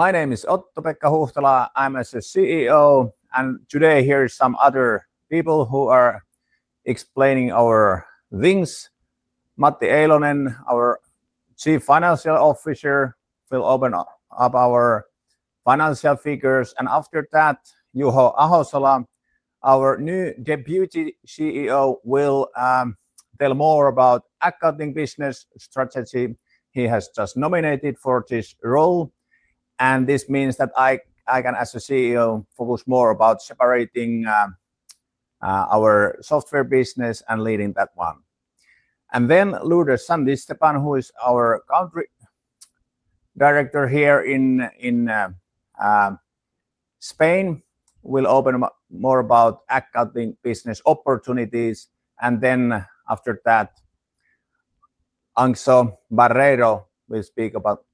My name is Otto-Pekka Huhtala. I'm a CEO, and today here are some other people who are explaining our things. Matti Eilonen, our Chief Financial Officer, will open up our financial figures, and after that, Juho Ahosola, our new Deputy CEO, will tell more about the accounting business strategy. He has just been nominated for this role. This means that I can, as a CEO, focus more on separating our software business and leading that one. Lourdes Santisteban, who is our Accounting Director here in Spain, will open up more about accounting business opportunities. After that, Anxo Barreiro will speak about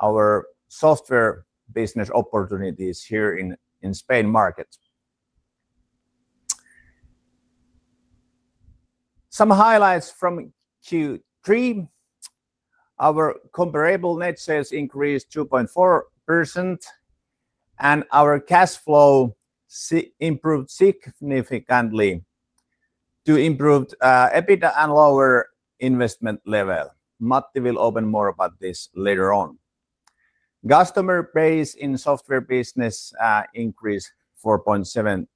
our software business opportunities here in the Spain market. Some highlights from Q3. Our comparable net sales increased 2.4%, and our cash flow improved significantly to improve EBITDA and lower investment level. Matti will open more about this later on. Customer base in the software business increased 4.7%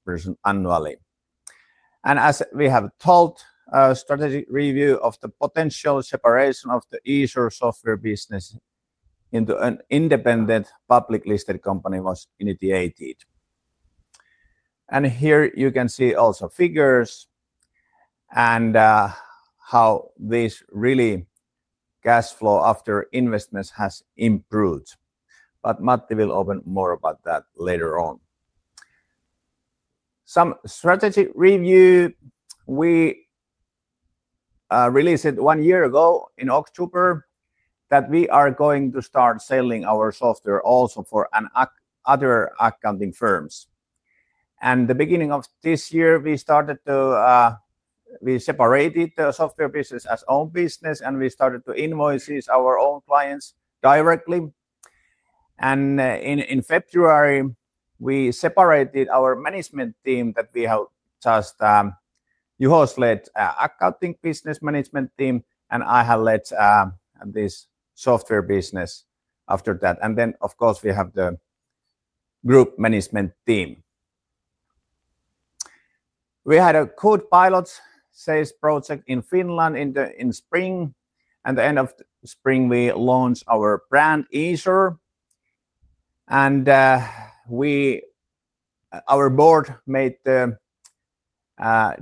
annually. As we have told, a strategic review of the potential separation of the Easor software business into an independent public listed company was initiated. Here you can see also figures and how this really cash flow after investments has improved. Matti will open more about that later on. Some strategic review we released one year ago in October that we are going to start selling our software also for other accounting firms. At the beginning of this year, we started to separate the software business as own business, and we started to invoice our own clients directly. In February, we separated our management team. Juho's led the accounting business management team, and I have led this software business after that. Of course, we have the group management team. We had a co-pilot sales project in Finland in the spring. At the end of the spring, we launched our brand Easor, and our board made the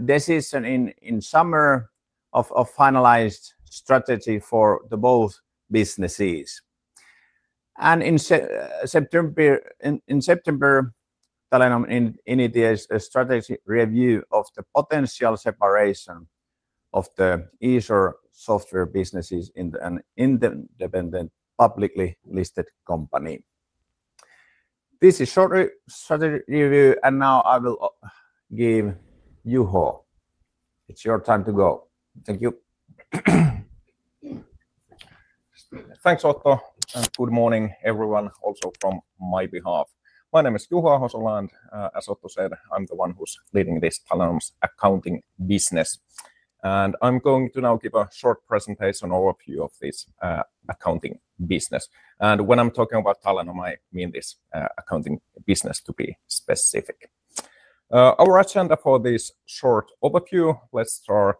decision in summer of finalized strategy for both businesses. In September, Talenom initiated a strategy review of the potential separation of the Easor software business in an independent publicly listed company. This is short strategy review, and now I will give Juho, it's your time to go. Thank you. Thanks, Otto, and good morning everyone, also from my behalf. My name is Juho Ahosola. As Otto said, I'm the one who's leading this Talenom's accounting business, and I'm going to now give a short presentation overview of this accounting business. When I'm talking about Talenom, I mean this accounting business to be specific. Our agenda for this short overview, let's start,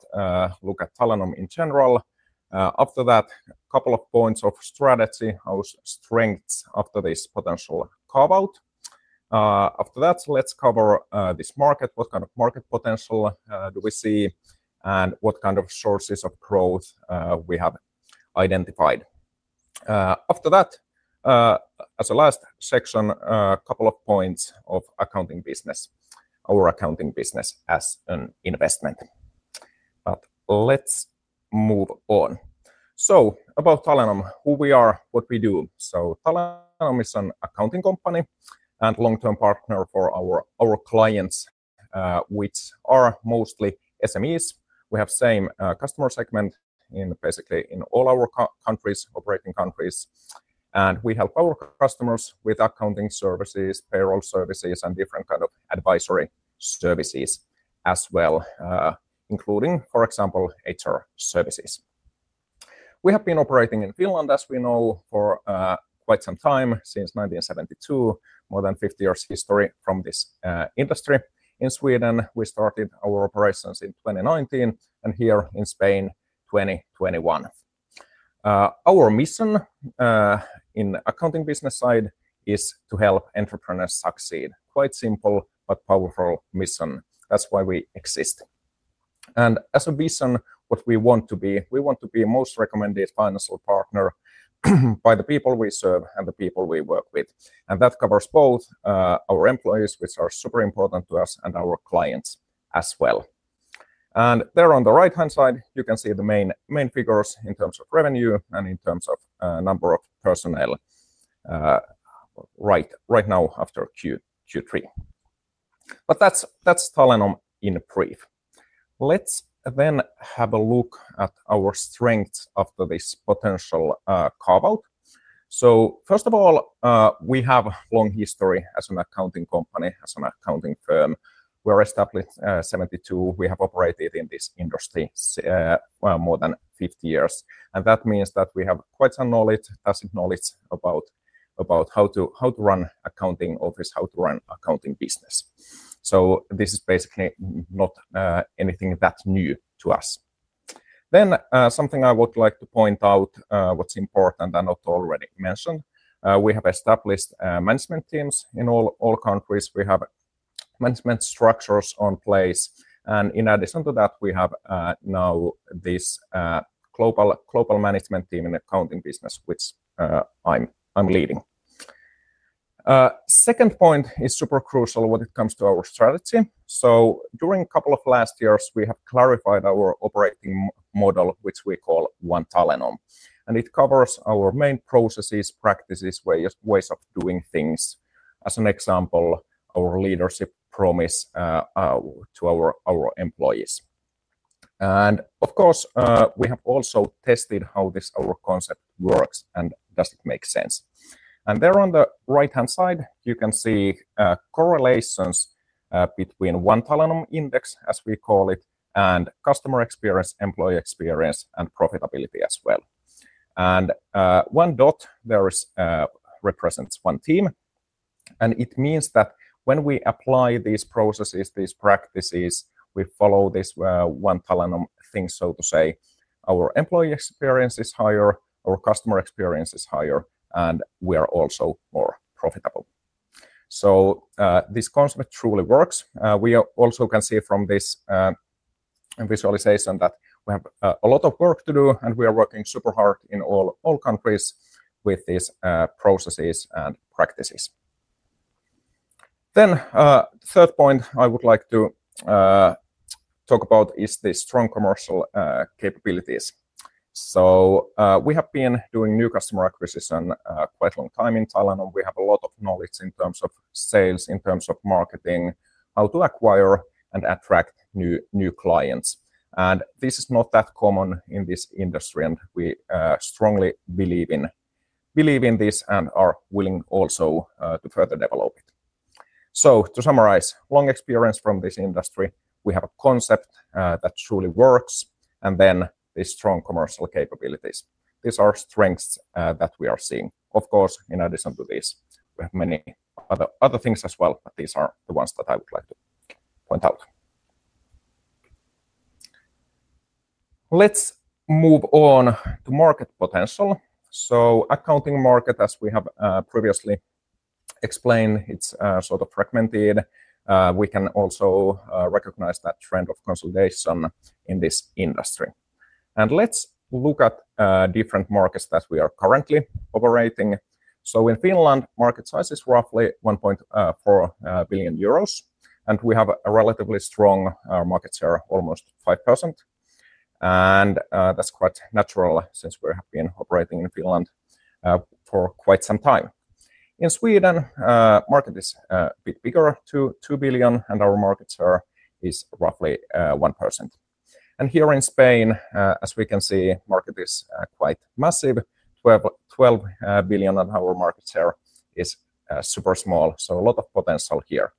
look at Talenom in general. After that, a couple of points of strategy, how strengths after this potential carve out. After that, let's cover this market, what kind of market potential do we see, and what kind of sources of growth we have identified. After that, as a last section, a couple of points of accounting business, our accounting business as an investment. Let's move on. About Talenom, who we are, what we do. Talenom is an accounting company and long-term partner for our clients, which are mostly SMEs. We have the same customer segment basically in all our countries, operating countries, and we help our customers with accounting services, payroll services, and different kinds of advisory services as well, including, for example, HR services. We have been operating in Finland, as we know, for quite some time, since 1972, more than 50 years history from this industry. In Sweden, we started our operations in 2019, and here in Spain, 2021. Our mission in the accounting business side is to help entrepreneurs succeed. Quite simple, but powerful mission. That's why we exist. As a vision, what we want to be, we want to be the most recommended financial partner by the people we serve and the people we work with. That covers both our employees, which are super important to us, and our clients as well. There on the right-hand side, you can see the main figures in terms of revenue and in terms of number of personnel right now after Q3. That's Talenom in brief. Let's then have a look at our strengths after this potential carve out. First of all, we have a long history as an accounting company, as an accounting firm. We were established in 1972. We have operated in this industry more than 50 years, and that means that we have quite some knowledge, basic knowledge about how to run an accounting office, how to run an accounting business. This is basically not anything that's new to us. Something I would like to point out, what's important and not already mentioned, we have established management teams in all countries. We have management structures in place, and in addition to that, we have now this global management team in the accounting business, which I'm leading. The second point is super crucial when it comes to our strategy. During a couple of last years, we have clarified our operating model, which we call ONE Talenom, and it covers our main processes, practices, ways of doing things. As an example, our leadership promise to our employees. Of course, we have also tested how this concept works and does it make sense. There on the right-hand side, you can see correlations between ONE Talenom index, as we call it, and customer experience, employee experience, and profitability as well. One dot represents one team, and it means that when we apply these processes, these practices, we follow this ONE Talenom thing, so to say, our employee experience is higher, our customer experience is higher, and we are also more profitable. This concept truly works. We also can see from this visualization that we have a lot of work to do, and we are working super hard in all countries with these processes and practices. The third point I would like to talk about is the strong commercial capabilities. We have been doing new customer acquisition quite a long time in Talenom. We have a lot of knowledge in terms of sales, in terms of marketing, how to acquire and attract new clients. This is not that common in this industry, and we strongly believe in this and are willing also to further develop it. To summarize, long experience from this industry, we have a concept that truly works, and then these strong commercial capabilities. These are strengths that we are seeing. Of course, in addition to this, we have many other things as well, but these are the ones that I would like to point out. Let's move on to market potential. The accounting market, as we have previously explained, is sort of fragmented. We can also recognize that trend of consolidation in this industry. Let's look at different markets that we are currently operating. In Finland, market size is roughly 1.4 billion euros, and we have a relatively strong market share, almost 5%. That's quite natural since we have been operating in Finland for quite some time. In Sweden, the market is a bit bigger, 2 billion, and our market share is roughly 1%. Here in Spain, as we can see, the market is quite massive, EUR 12 billion, and our market share is super small. A lot of potential here.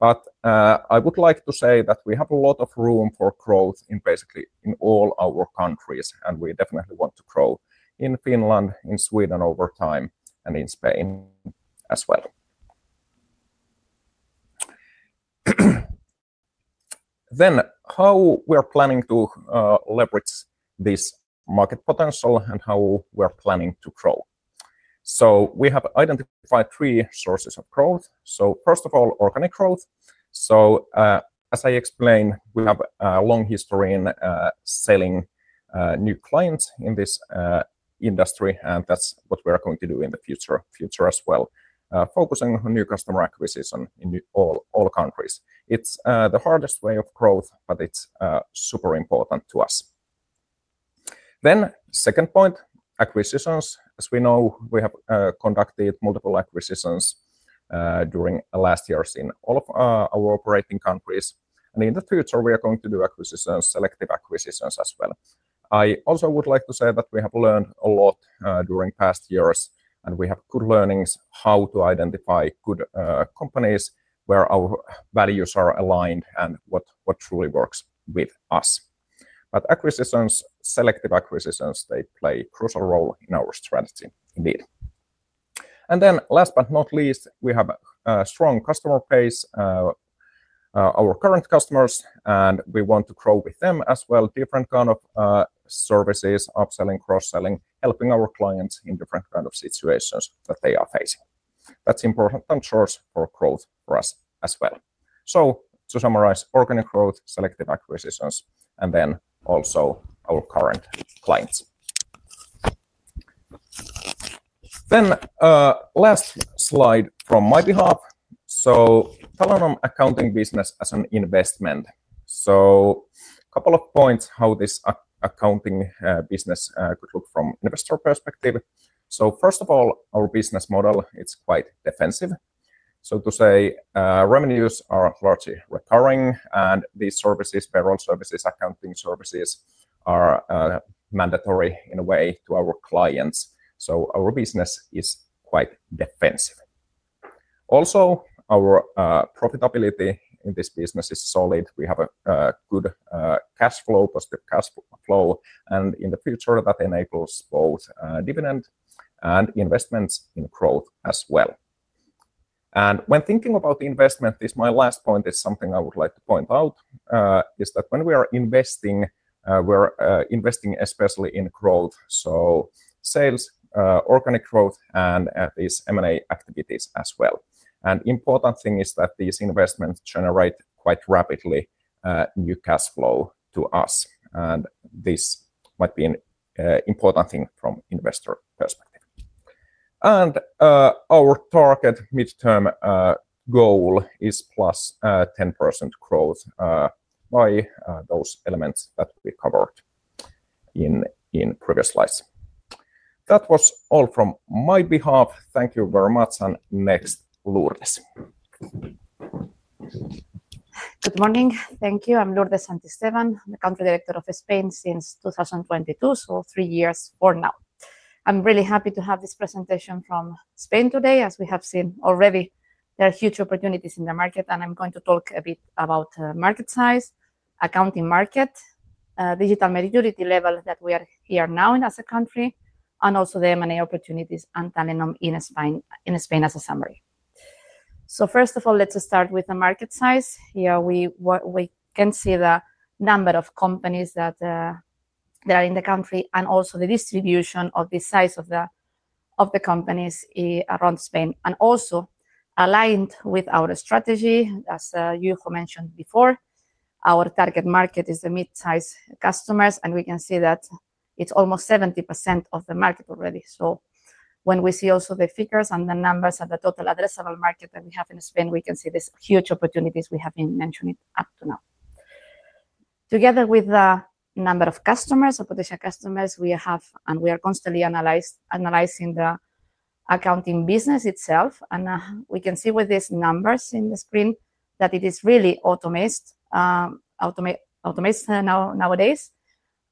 I would like to say that we have a lot of room for growth in basically all our countries, and we definitely want to grow in Finland, in Sweden over time, and in Spain as well. How we are planning to leverage this market potential and how we are planning to grow, we have identified three sources of growth. First of all, organic growth. As I explained, we have a long history in selling new clients in this industry, and that's what we are going to do in the future as well, focusing on new customer acquisition in all countries. It's the hardest way of growth, but it's super important to us. The second point, acquisitions. As we know, we have conducted multiple acquisitions during the last years in all of our operating countries, and in the future, we are going to do selective acquisitions as well. I also would like to say that we have learned a lot during past years, and we have good learnings on how to identify good companies where our values are aligned and what truly works with us. Acquisitions, selective acquisitions, play a crucial role in our strategy indeed. Last but not least, we have a strong customer base, our current customers, and we want to grow with them as well, different kinds of services, upselling, cross-selling, helping our clients in different kinds of situations that they are facing. That's important and sure for growth for us as well. To summarize, organic growth, selective acquisitions, and also our current clients. Last slide from my behalf. Talenom accounting business as an investment. A couple of points on how this accounting business could look from an investor perspective. First of all, our business model, it's quite defensive. Revenues are largely recurring, and these services, payroll services, accounting services are mandatory in a way to our clients. Our business is quite defensive. Also, our profitability in this business is solid. We have a good cash flow, positive cash flow, and in the future, that enables both dividend and investments in growth as well. When thinking about the investment, this is my last point, is something I would like to point out, is that when we are investing, we're investing especially in growth, so sales, organic growth, and these M&A activities as well. The important thing is that these investments generate quite rapidly new cash flow to us, and this might be an important thing from an investor perspective. Our target midterm goal is +10% growth by those elements that we covered in previous slides. That was all from my behalf. Thank you very much, and next, Lourdes. Good morning. Thank you. I'm Lourdes Sandisteban, the Country Director of Spain since 2022, so three years for now. I'm really happy to have this presentation from Spain today. As we have seen already, there are huge opportunities in the market, and I'm going to talk a bit about market size, accounting market, digital maturity level that we are here now in as a country, and also the M&A opportunities and Talenom in Spain as a summary. First of all, let's start with the market size. Here we can see the number of companies that are in the country and also the distribution of the size of the companies around Spain. Also aligned with our strategy, as you mentioned before, our target market is the mid-sized customers, and we can see that it's almost 70% of the market already. When we see also the figures and the numbers of the total addressable market that we have in Spain, we can see these huge opportunities we have been mentioning up to now. Together with the number of customers, the potential customers we have, and we are constantly analyzing the accounting business itself. We can see with these numbers in the screen that it is really automated nowadays,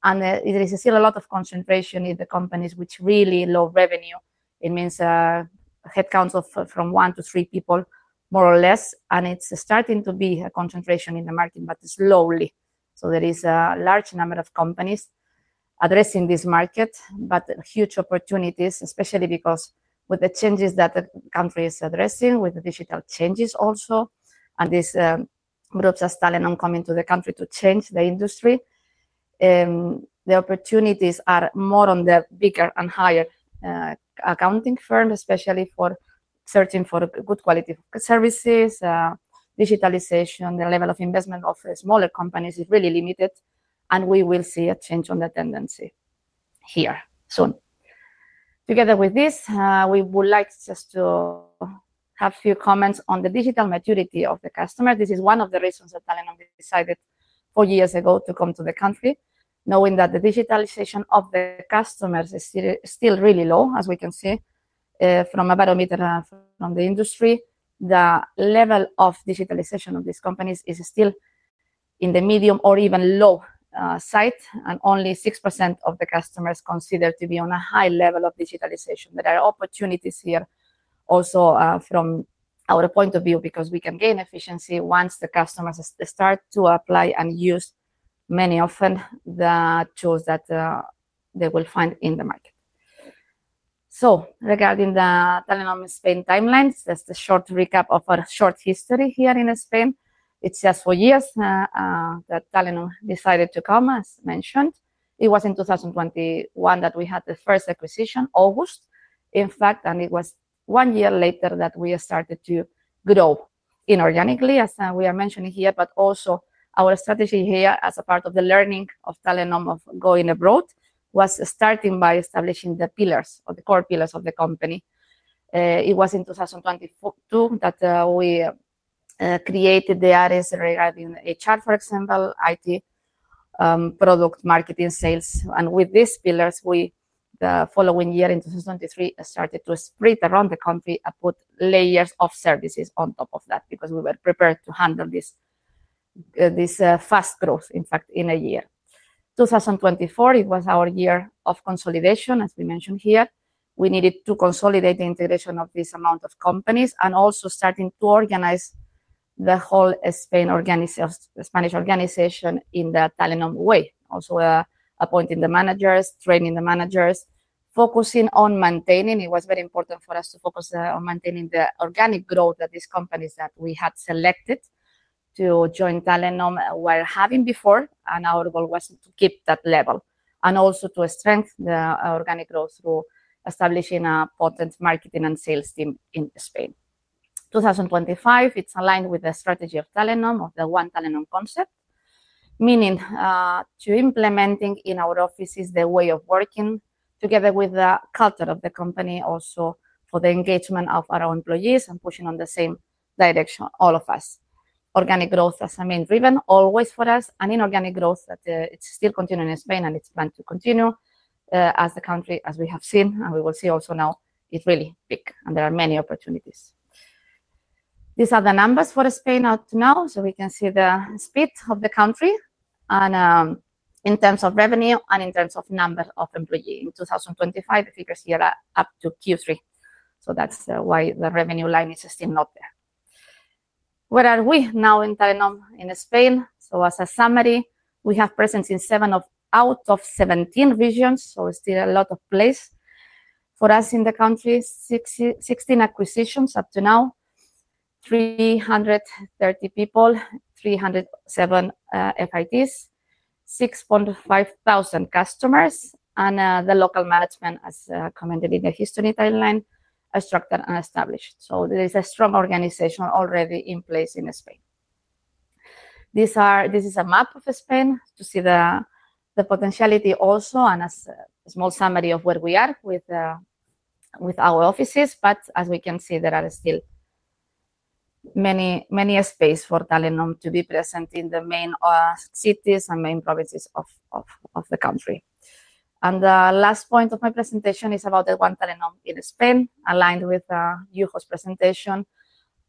and there is still a lot of concentration in the companies with really low revenue. It means headcounts from one to three people, more or less, and it's starting to be a concentration in the market, but slowly. There is a large number of companies addressing this market, but huge opportunities, especially because with the changes that the country is addressing with the digital changes also, and these groups as Talenom come into the country to change the industry, the opportunities are more on the bigger and higher accounting firms, especially for searching for good quality services. Digitalization, the level of investment of smaller companies is really limited, and we will see a change in the tendency here soon. Together with this, we would like just to have a few comments on the digital maturity of the customers. This is one of the reasons that Talenom decided four years ago to come to the country, knowing that the digitalization of the customers is still really low, as we can see from a barometer from the industry. The level of digitalization of these companies is still in the medium or even low side, and only 6% of the customers consider to be on a high level of digitalization. There are opportunities here also from our point of view because we can gain efficiency once the customers start to apply and use many often the tools that they will find in the market. Regarding the Talenom Spain timelines, just a short recap of our short history here in Spain. It's just four years that Talenom decided to come, as mentioned. It was in 2021 that we had the first acquisition, August, in fact, and it was one year later that we started to grow inorganically, as we are mentioning here. Also, our strategy here as a part of the learning of Talenom of going abroad was starting by establishing the pillars, the core pillars of the company. It was in 2022 that we created the areas regarding HR, for example, IT, product, marketing, sales. With these pillars, we the following year in 2023 started to spread around the country and put layers of services on top of that because we were prepared to handle this fast growth, in fact, in a year. In 2024, it was our year of consolidation, as we mentioned here. We needed to consolidate the integration of this amount of companies and also starting to organize the whole Spanish organization in the Talenom way, also appointing the managers, training the managers, focusing on maintaining. It was very important for us to focus on maintaining the organic growth that these companies that we had selected to join Talenom were having before, and our goal was to keep that level and also to strengthen the organic growth through establishing a potent marketing and sales team in Spain. In 2025, it's aligned with the strategy of Talenom of the ONE Talenom concept, meaning to implement in our offices the way of working together with the culture of the company, also for the engagement of our employees and pushing in the same direction, all of us. Organic growth as a main driven always for us, and inorganic growth that it's still continuing in Spain and it's planned to continue as the country, as we have seen, and we will see also now it's really big and there are many opportunities. These are the numbers for Spain up to now, so we can see the speed of the country in terms of revenue and in terms of number of employees. In 2025, the figures here are up to Q3, so that's why the revenue line is still not there. Where are we now in Talenom in Spain? As a summary, we have presence in seven out of 17 regions, so still a lot of place for us in the country. 16 acquisitions up to now, 330 people, 307 FITs, 6.5 thousand customers, and the local management, as commented in the history timeline, are structured and established. There is a strong organization already in place in Spain. This is a map of Spain to see the potentiality also and a small summary of where we are with our offices. As we can see, there are still many spaces for Talenom to be present in the main cities and main provinces of the country. The last point of my presentation is about the ONE Talenom in Spain, aligned with Juho's presentation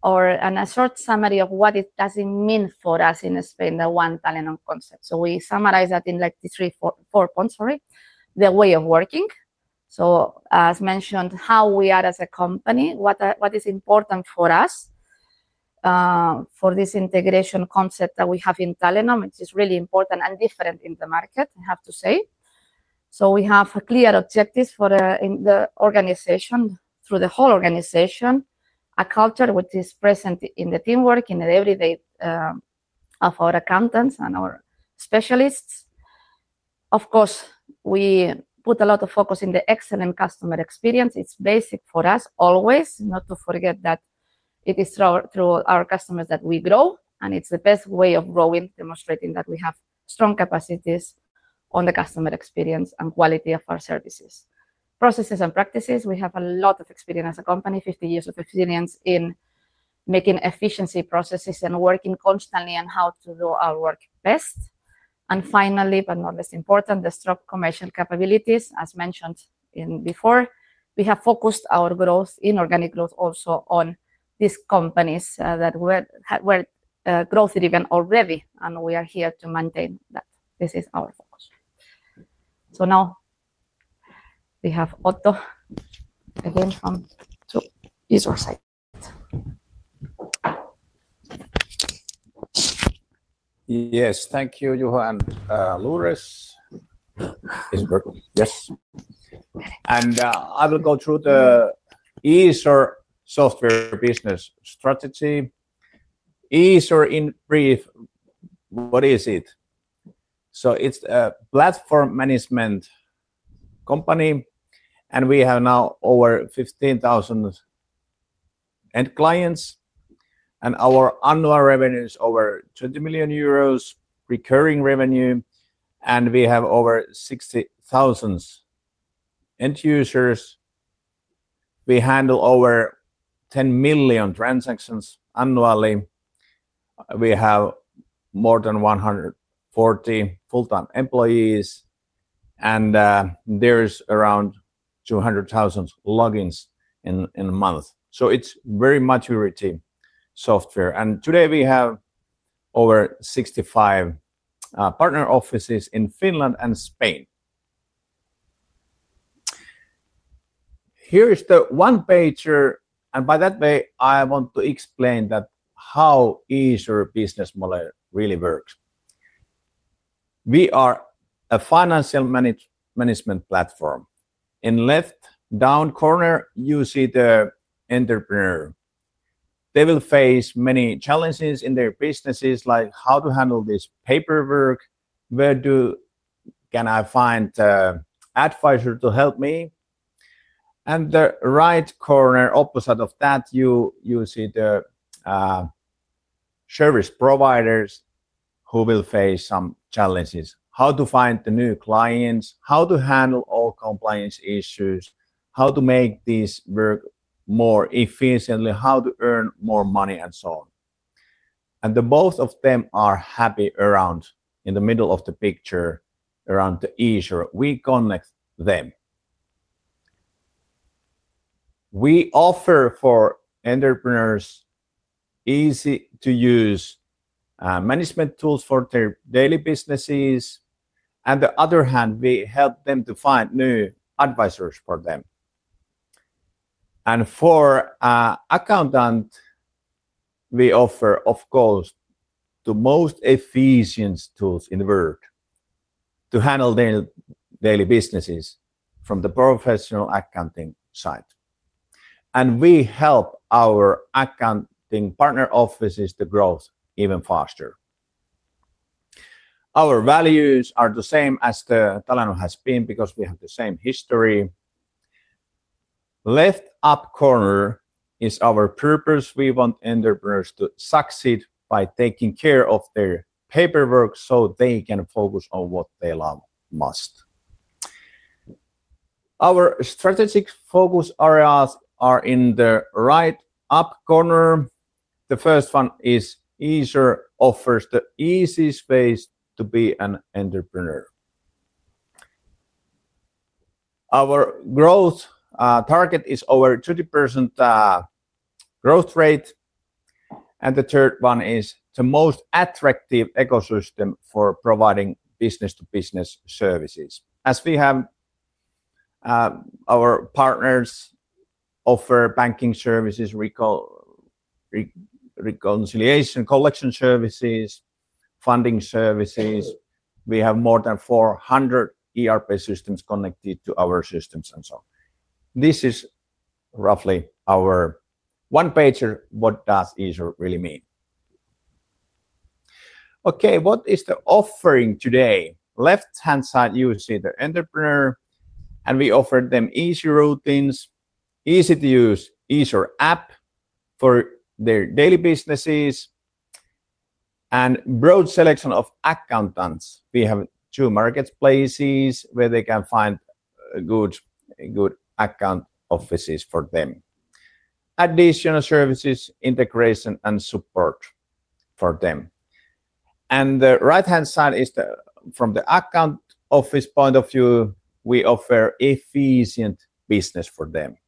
or a short summary of what it does mean for us in Spain, the ONE Talenom concept. We summarize that in like three, four points, the way of working. As mentioned, how we are as a company, what is important for us for this integration concept that we have in Talenom, which is really important and different in the market, I have to say. We have clear objectives for the organization through the whole organization, a culture which is present in the teamwork, in the everyday of our accountants and our specialists. Of course, we put a lot of focus in the excellent customer experience. It's basic for us always not to forget that it is through our customers that we grow, and it's the best way of growing, demonstrating that we have strong capacities on the customer experience and quality of our services. Processes and practices, we have a lot of experience as a company, 50 years of experience in making efficiency processes and working constantly on how to do our work best. Finally, but not least important, the strong commercial capabilities, as mentioned before, we have focused our growth in organic growth also on these companies that were growth-driven already, and we are here to maintain that. This is our focus. Now we have Otto again from the Easor side. Yes, thank you, Juho and Lourdes. Yes. I will go through the Easor software business strategy. Easor, in brief, what is it? It's a platform management company, and we have now over 15,000 end clients, and our annual recurring revenue is over EUR 20 million, and we have over 60,000 end users. We handle over 10 million transactions annually. We have more than 140 full-time employees, and there's around 200,000 logins in a month. It's very mature software. Today we have over 65 partner offices in Finland and Spain. Here is the one-pager, and by that way, I want to explain how the Easor business model really works. We are a financial management platform. In the left-down corner, you see the entrepreneur. They will face many challenges in their businesses, like how to handle this paperwork, where can I find an advisor to help me. In the right corner, opposite of that, you see the service providers who will face some challenges, how to find new clients, how to handle all compliance issues, how to make this work more efficiently, how to earn more money, and so on. Both of them are happy around in the middle of the picture, around the Easor. We connect them. We offer for entrepreneurs easy-to-use management tools for their daily businesses. On the other hand, we help them to find new advisors for them. For accountants, we offer, of course, the most efficient tools in the world to handle their daily businesses from the professional accounting side. We help our accounting partner offices to grow even faster. Our values are the same as Talenom has been because we have the same history. Left up corner is our purpose. We want entrepreneurs to succeed by taking care of their paperwork so they can focus on what they must. Our strategic focus areas are in the right up corner. The first one is Easor offers the easiest ways to be an entrepreneur. Our growth target is over a 30% growth rate. The third one is the most attractive ecosystem for providing business-to-business services. As we have our partners offer banking services, reconciliation, collection services, funding services. We have more than 400 ERP systems connected to our systems and so on. This is roughly our one-pager, what does Easor really mean? Okay, what is the offering today? Left-hand side, you will see the entrepreneur, and we offer them easy routines, easy-to-use Easor app for their daily businesses, and a broad selection of accountants. We have two marketplaces where they can find good account offices for them, additional services, integration, and support for them. The right-hand side is from the account office point of view; we offer efficient business for them.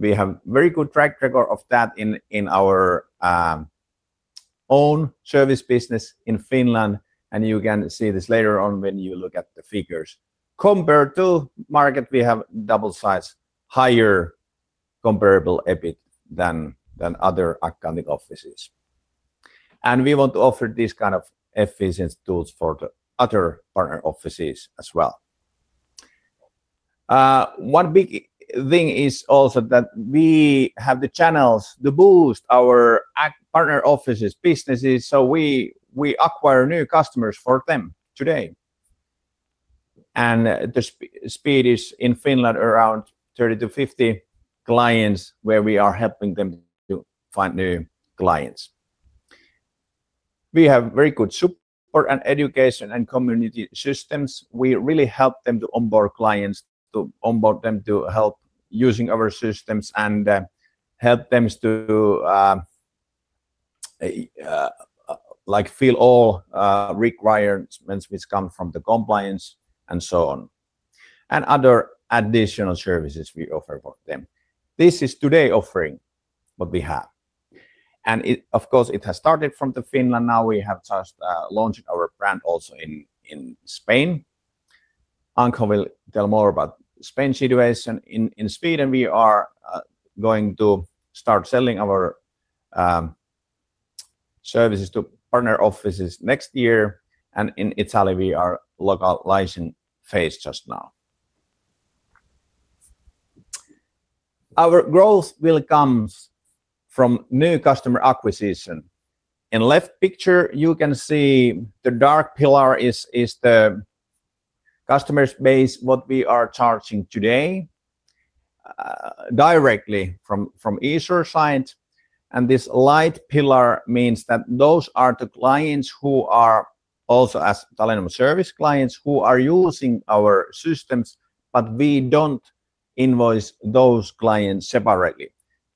We have a very good track record of that in our own service business in Finland, and you can see this later on when you look at the figures. Compared to the market, we have double size, higher comparable EBIT than other accounting offices. We want to offer these kinds of efficient tools for the other partner offices as well. One big thing is also that we have the channels to boost our partner offices' businesses. We acquire new customers for them today, and the speed is in Finland around 30 to 50 clients where we are helping them to find new clients. We have very good support and education and community systems. We really help them to onboard clients, to onboard them to help using our systems, and help them to fill all requirements which come from the compliance and so on, and other additional services we offer for them. This is today offering what we have. Of course, it has started from Finland. Now we have just launched our brand also in Spain. Anxo will tell more about the Spain situation. In Sweden, we are going to start selling our services to partner offices next year, and in Italy, we are localizing phase just now. Our growth will come from new customer acquisition. In the left picture, you can see the dark pillar is the customer base, what we are charging today directly from Easor side. This light pillar means that those are the clients who are also as Talenom service clients who are using our systems, but we don't invoice those clients separately.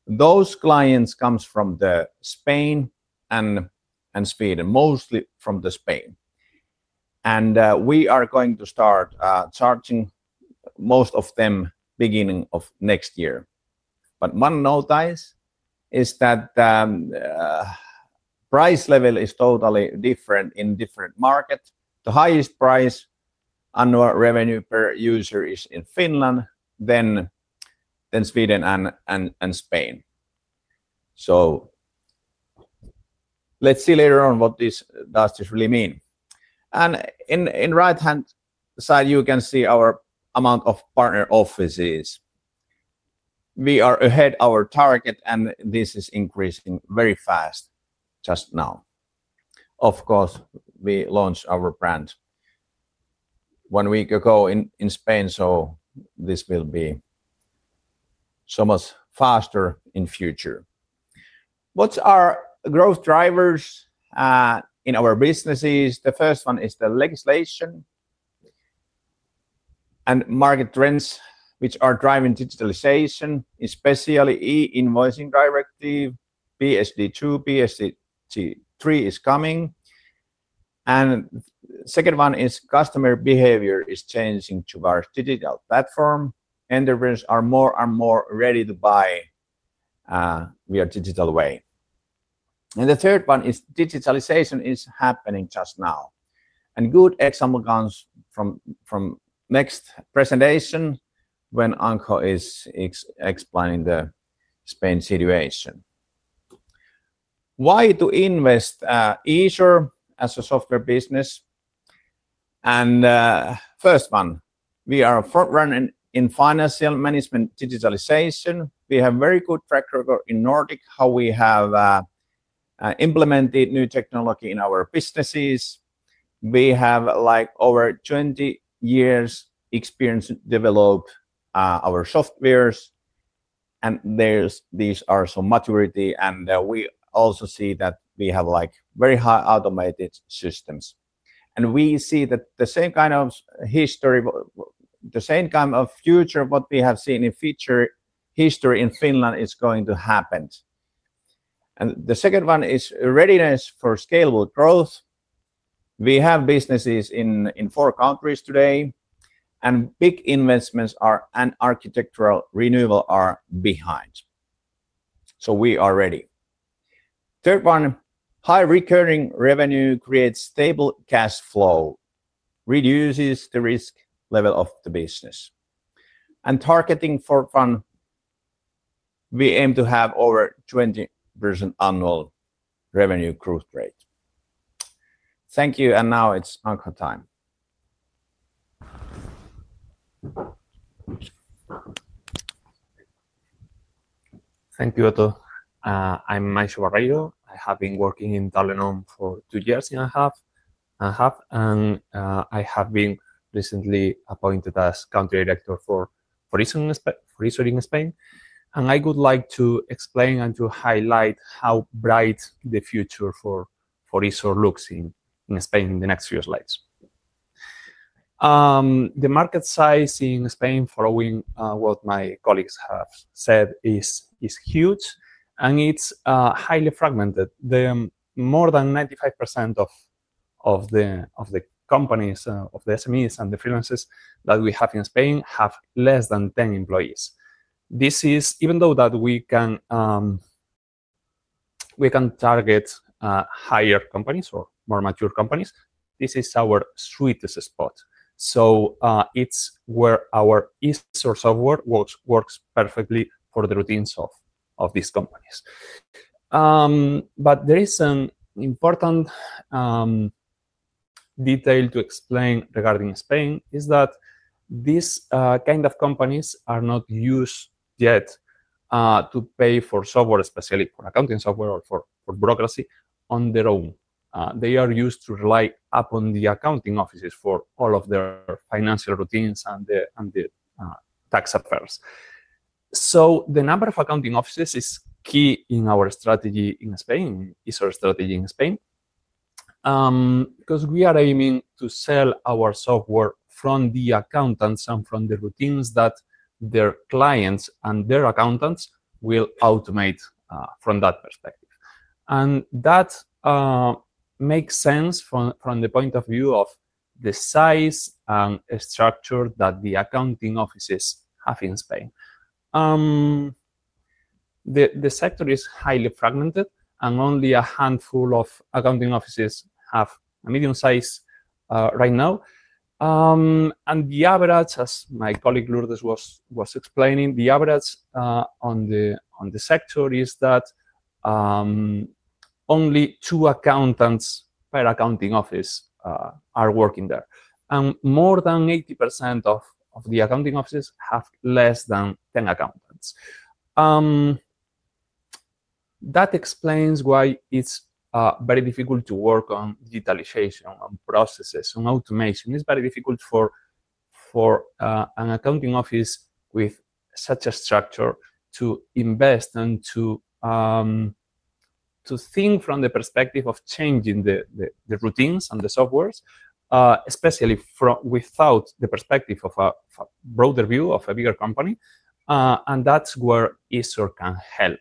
Those clients come from Spain and Sweden, mostly from Spain. We are going to start charging most of them beginning of next year. One note is that the price level is totally different in different markets. The highest price annual revenue per user is in Finland, then Sweden, and Spain. Let's see later on what this does really mean. In the right-hand side, you can see our amount of partner offices. We are ahead of our target, and this is increasing very fast just now. We launched our brand one week ago in Spain, so this will be so much faster in the future. What are our growth drivers in our businesses? The first one is the legislation and market trends which are driving digitalization, especially e-invoicing directive. PSD2, PSD3 is coming. The second one is customer behavior is changing to our digital platform. Enterprises are more and more ready to buy via a digital way. The third one is digitalization is happening just now. A good example comes from the next presentation when Anxo is explaining the Spain situation. Why invest in Easor as a software business? The first one, we are front-running in financial management digitalization. We have a very good track record in Nordic, how we have implemented new technology in our businesses. We have like over 20 years experience to develop our softwares, and these are some maturity. We also see that we have very high automated systems. We see that the same kind of history, the same kind of future, what we have seen in future history in Finland is going to happen. The second one is readiness for scalable growth. We have businesses in four countries today, and big investments and architectural renewal are behind. We are ready. Third one, high recurring revenue creates stable cash flow, reduces the risk level of the business. Targeting for fun, we aim to have over 20% annual revenue growth rate. Thank you, and now it's Anxo time. Thank you, Otto. I'm Anxo Barreiro. I have been working in Talenom for two years and a half, and I have been recently appointed as Country Director for Easor in Spain. I would like to explain and to highlight how bright the future for Easor looks in Spain in the next few slides. The market size in Spain, following what my colleagues have said, is huge, and it's highly fragmented. More than 95% of the companies, of the SMEs and the freelancers that we have in Spain, have less than 10 employees. This is, even though we can target higher companies or more mature companies, our sweetest spot. It's where our Easor software works perfectly for the routines of these companies. There is an important detail to explain regarding Spain: these kinds of companies are not used yet to pay for software, especially for accounting software or for bureaucracy on their own. They are used to rely upon the accounting offices for all of their financial routines and the tax affairs. The number of accounting offices is key in our strategy in Spain, Easor strategy in Spain, because we are aiming to sell our software from the accountants and from the routines that their clients and their accountants will automate from that perspective. That makes sense from the point of view of the size and structure that the accounting offices have in Spain. The sector is highly fragmented, and only a handful of accounting offices have a medium size right now. The average, as my colleague Lourdes was explaining, on the sector is that only two accountants per accounting office are working there. More than 80% of the accounting offices have less than 10 accountants. That explains why it's very difficult to work on digitalization, on processes, on automation. It's very difficult for an accounting office with such a structure to invest and to think from the perspective of changing the routines and the softwares, especially without the perspective of a broader view of a bigger company. That's where Easor can help,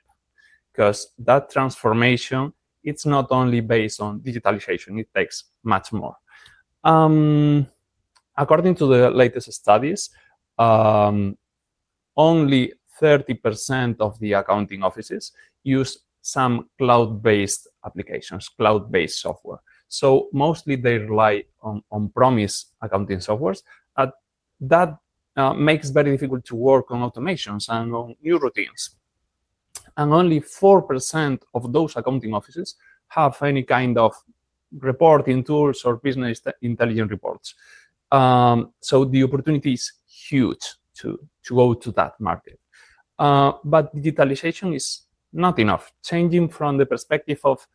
because that transformation is not only based on digitalization, it takes much more. According to the latest studies, only 30% of the accounting offices use some cloud-based applications, cloud-based software. Mostly they rely on on-premise accounting softwares. That makes it very difficult to work on automations and on new routines. Only 4% of those accounting offices have any kind of reporting tools or business intelligence reports. The opportunity is huge to go to that market. Digitalization is not enough. Changing from the perspective of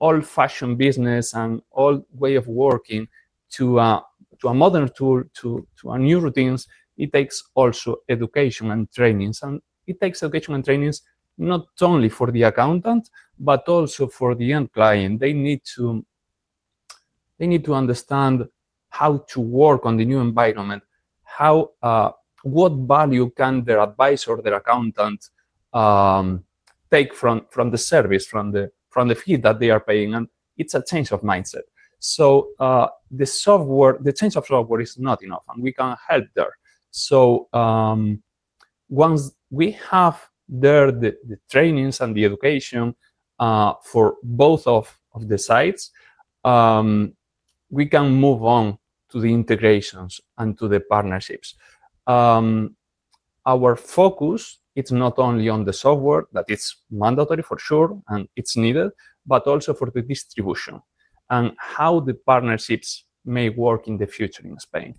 old-fashioned business and old way of working to a modern tool, to new routines, it takes also education and trainings. It takes education and trainings not only for the accountant, but also for the end client. They need to understand how to work on the new environment, what value can their advisor, their accountant take from the service, from the fee that they are paying. It's a change of mindset. The software, the change of software is not enough, and we can help there. Once we have the trainings and the education for both of the sides, we can move on to the integrations and to the partnerships. Our focus is not only on the software, that it's mandatory for sure and it's needed, but also for the distribution and how the partnerships may work in the future in Spain.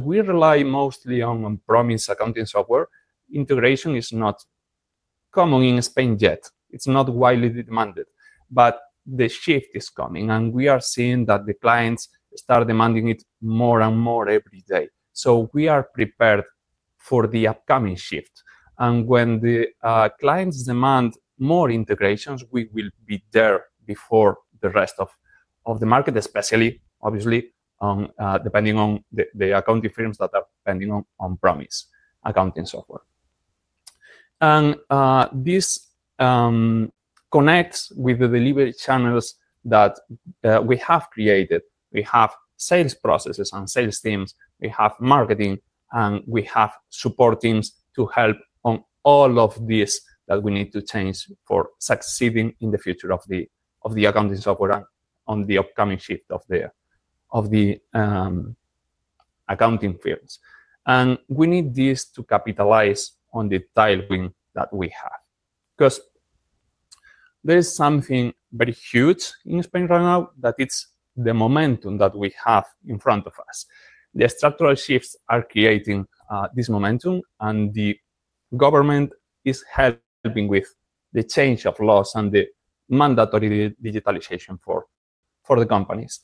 We rely mostly on on-premise accounting software. Integration is not common in Spain yet. It's not widely demanded. The shift is coming, and we are seeing that the clients start demanding it more and more every day. We are prepared for the upcoming shift. When the clients demand more integrations, we will be there before the rest of the market, especially, obviously, depending on the accounting firms that are depending on on-premise accounting software. This connects with the delivery channels that we have created. We have sales processes and sales teams, we have marketing, and we have support teams to help on all of this that we need to change for succeeding in the future of the accounting software and on the upcoming shift of the accounting firms. We need this to capitalize on the tailwind that we have, because there is something very huge in Spain right now that it's the momentum that we have in front of us. The structural shifts are creating this momentum, and the government is helping with the change of laws and the mandatory digitalization for the companies.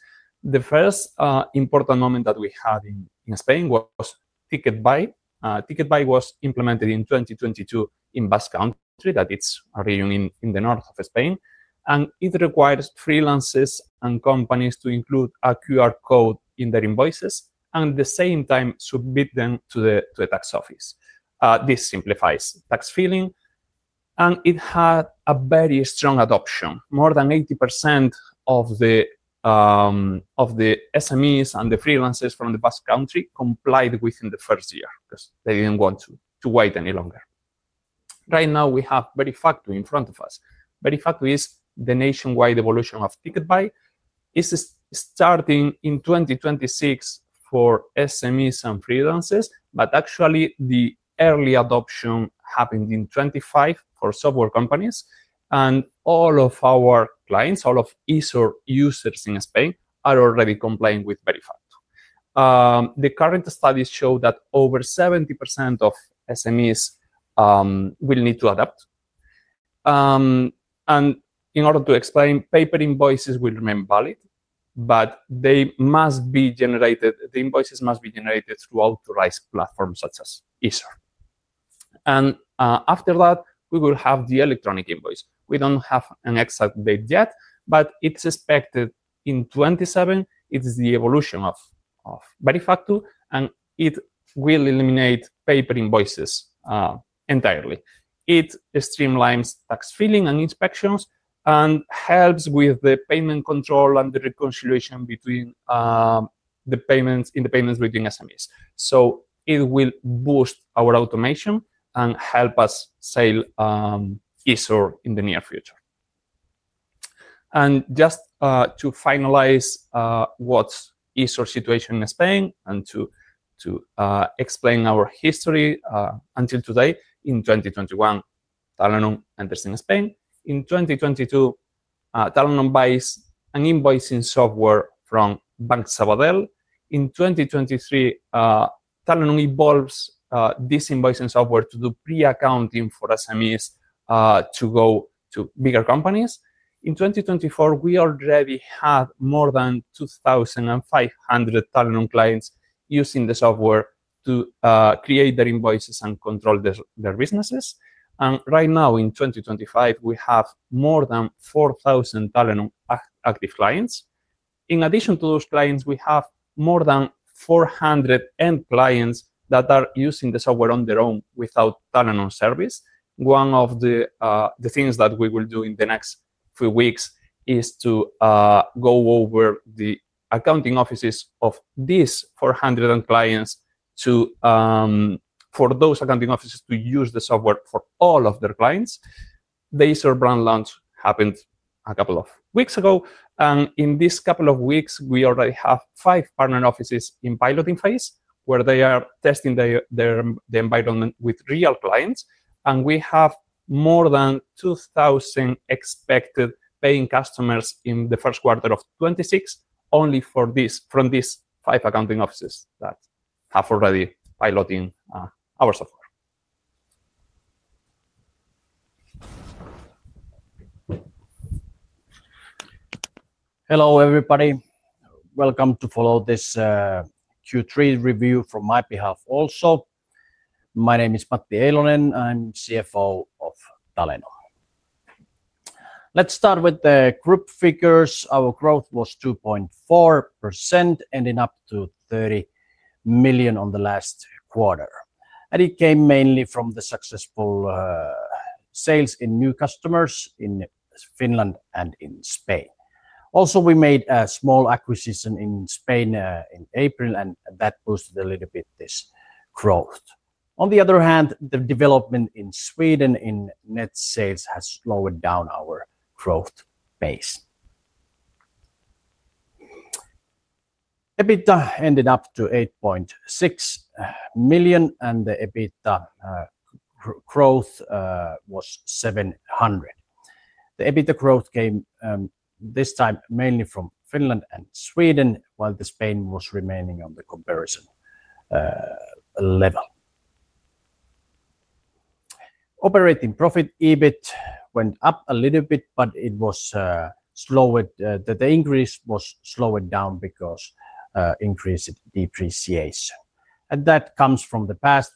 The first important moment that we had in Spain was TicketBAI. TicketBAI was implemented in 2022 in Basque Country, that it's a region in the north of Spain. It requires freelancers and companies to include a QR code in their invoices and at the same time submit them to the tax office. This simplifies tax filing, and it had a very strong adoption. More than 80% of the SMEs and the freelancers from the Basque Country complied within the first year because they didn't want to wait any longer. Right now, we have Verifactu in front of us. Verifactu is the nationwide evolution of TicketBAI. It's starting in 2026 for SMEs and freelancers, but actually the early adoption happened in 2025 for software companies. All of our clients, all of Easor users in Spain are already complying with Verifactu. The current studies show that over 70% of SMEs will need to adapt. In order to explain, paper invoices will remain valid, but they must be generated. The invoices must be generated through authorized platforms such as Easor. After that, we will have the electronic invoice. We don't have an exact date yet, but it's expected in 2027. It's the evolution of Verifactu, and it will eliminate paper invoices entirely. It streamlines tax filing and inspections and helps with the payment control and the reconciliation between the payments in the payments between SMEs. It will boost our automation and help us sell Easor in the near future. Just to finalize what's Easor situation in Spain and to explain our history until today, in 2021, Talenom enters in Spain. In 2022, Talenom buys an invoicing software from Banco Sabadell. In 2023, Talenom evolves this invoicing software to do pre-accounting for SMEs to go to bigger companies. In 2024, we already have more than 2,500 Talenom clients using the software to create their invoices and control their businesses. Right now, in 2025, we have more than 4,000 Talenom active clients. In addition to those clients, we have more than 400 end clients that are using the software on their own without Talenom service. One of the things that we will do in the next few weeks is to go over the accounting offices of these 400 clients for those accounting offices to use the software for all of their clients. The Easor brand launch happened a couple of weeks ago, and in these couple of weeks, we already have five partner offices in piloting phase where they are testing their environment with real clients. We have more than 2,000 expected paying customers in the first quarter of 2026 only from these five accounting offices that have already piloted our software. Hello everybody. Welcome to follow this Q3 review from my behalf also. My name is Matti Eilonen. I'm CFO of Talenom. Let's start with the group figures. Our growth was 2.4%, ending up to 30 million on the last quarter. It came mainly from the successful sales in new customers in Finland and in Spain. Also, we made a small acquisition in Spain in April, and that boosted a little bit this growth. On the other hand, the development in Sweden in net sales has slowed down our growth pace. EBITDA ended up to 8.6 million, and the EBITDA growth was 700,000. The EBITDA growth came this time mainly from Finland and Sweden, while Spain was remaining on the comparison level. Operating profit EBIT went up a little bit, but the increase was slowed down because of increased depreciation. That comes from the past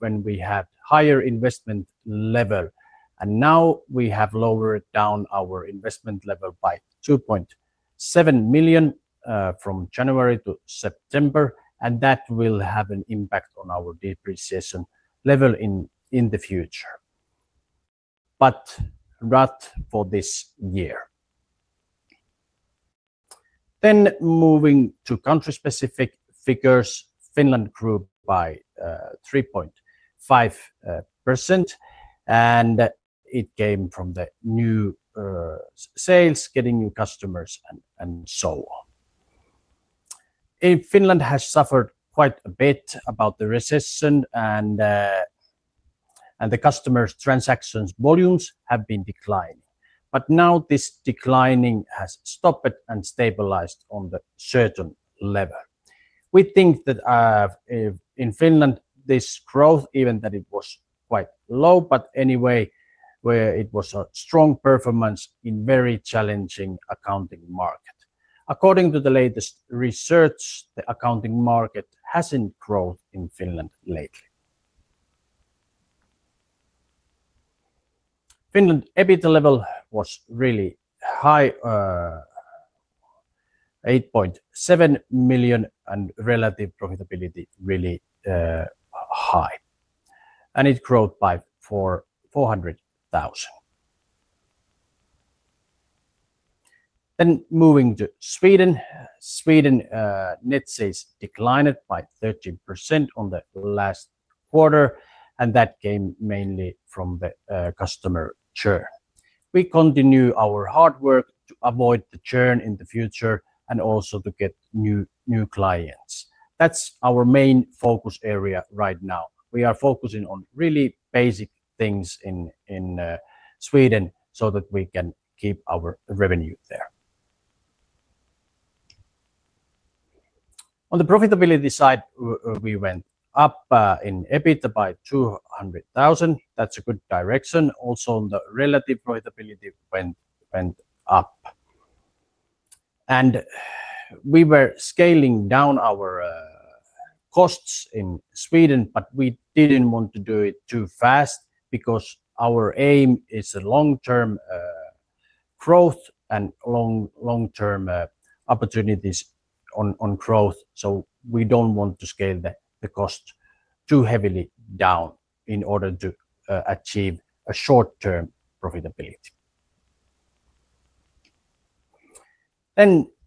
when we had a higher investment level, and now we have lowered down our investment level by 2.7 million from January to September, and that will have an impact on our depreciation level in the future, but not for this year. Moving to country-specific figures, Finland grew by 3.5%, and it came from the new sales, getting new customers, and so on. Finland has suffered quite a bit about the recession, and the customers' transactions volumes have been declining. Now this declining has stopped and stabilized on the certain level. We think that in Finland, this growth, even though it was quite low, but anyway, it was a strong performance in a very challenging accounting market. According to the latest research, the accounting market hasn't grown in Finland lately. Finland EBITDA level was really high, 8.7 million, and relative profitability really high. It grows by EUR 400,000. Moving to Sweden, Sweden net sales declined by 13% on the last quarter, and that came mainly from the customer churn. We continue our hard work to avoid the churn in the future and also to get new clients. That's our main focus area right now. We are focusing on really basic things in Sweden so that we can keep our revenue there. On the profitability side, we went up in EBITDA by 200,000. That's a good direction. Also, on the relative profitability, it went up. We were scaling down our costs in Sweden, but we didn't want to do it too fast because our aim is a long-term growth and long-term opportunities on growth. We don't want to scale the costs too heavily down in order to achieve a short-term profitability.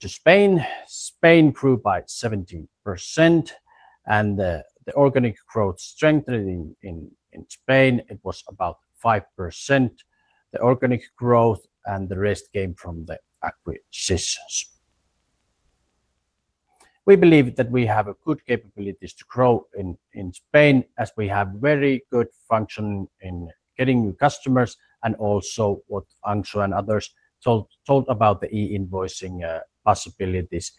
To Spain, Spain grew by 17%, and the organic growth strengthened in Spain. It was about 5%. The organic growth and the rest came from the acquisitions. We believe that we have good capabilities to grow in Spain as we have very good function in getting new customers and also what Anxo and others told about the e-invoicing possibilities.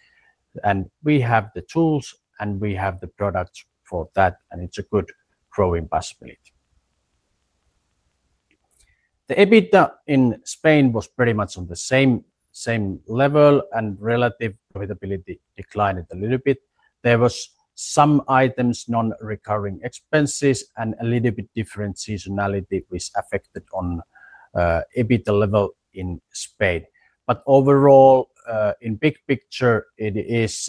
We have the tools and we have the products for that, and it's a good growing possibility. The EBITDA in Spain was pretty much on the same level, and relative profitability declined a little bit. There were some items, non-recurring expenses, and a little bit different seasonality, which affected on EBITDA level in Spain. Overall, in the big picture, it is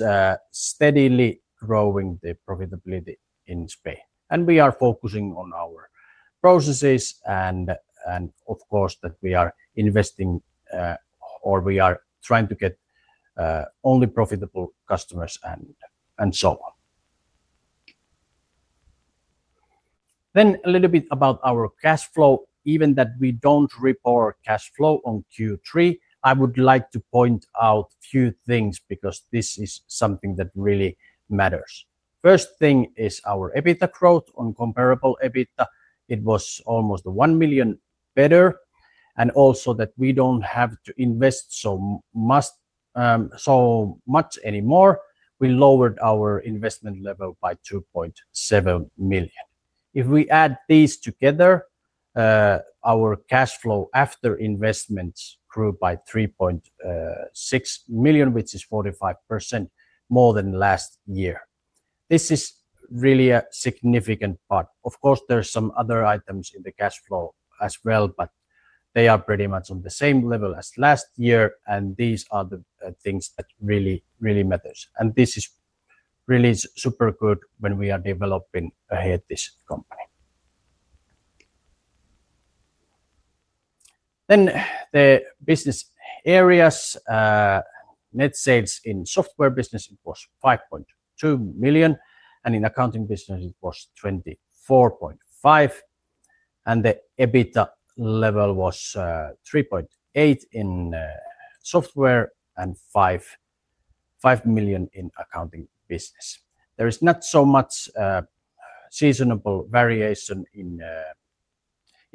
steadily growing, the profitability in Spain. We are focusing on our processes and, of course, that we are investing or we are trying to get only profitable customers and so on. A little bit about our cash flow, even that we don't report cash flow on Q3. I would like to point out a few things because this is something that really matters. First thing is our EBITDA growth on comparable EBITDA. It was almost 1 million better, and also that we don't have to invest so much anymore. We lowered our investment level by 2.7 million. If we add these together, our cash flow after investments grew by 3.6 million, which is 45% more than last year. This is really a significant part. Of course, there are some other items in the cash flow as well, but they are pretty much on the same level as last year, and these are the things that really, really matter. This is really super good when we are developing ahead this company. The business areas, net sales in software business was 5.2 million, and in accounting business, it was 24.5 million. The EBITDA level was 3.8 million in software and 5 million in accounting business. There is not so much seasonal variation in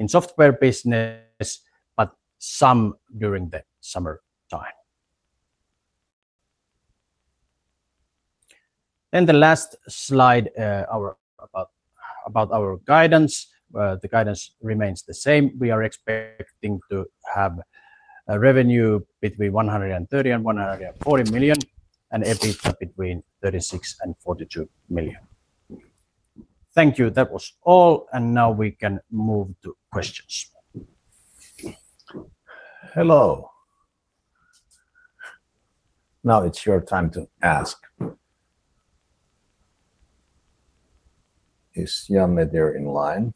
software business, but some during the summertime. The last slide, about our guidance. The guidance remains the same. We are expecting to have revenue between 130 million and 140 million, and EBITDA between 36 million and 42 million. Thank you. That was all, and now we can move to questions. Hello. Now it's your time to ask. Is Jan there in line?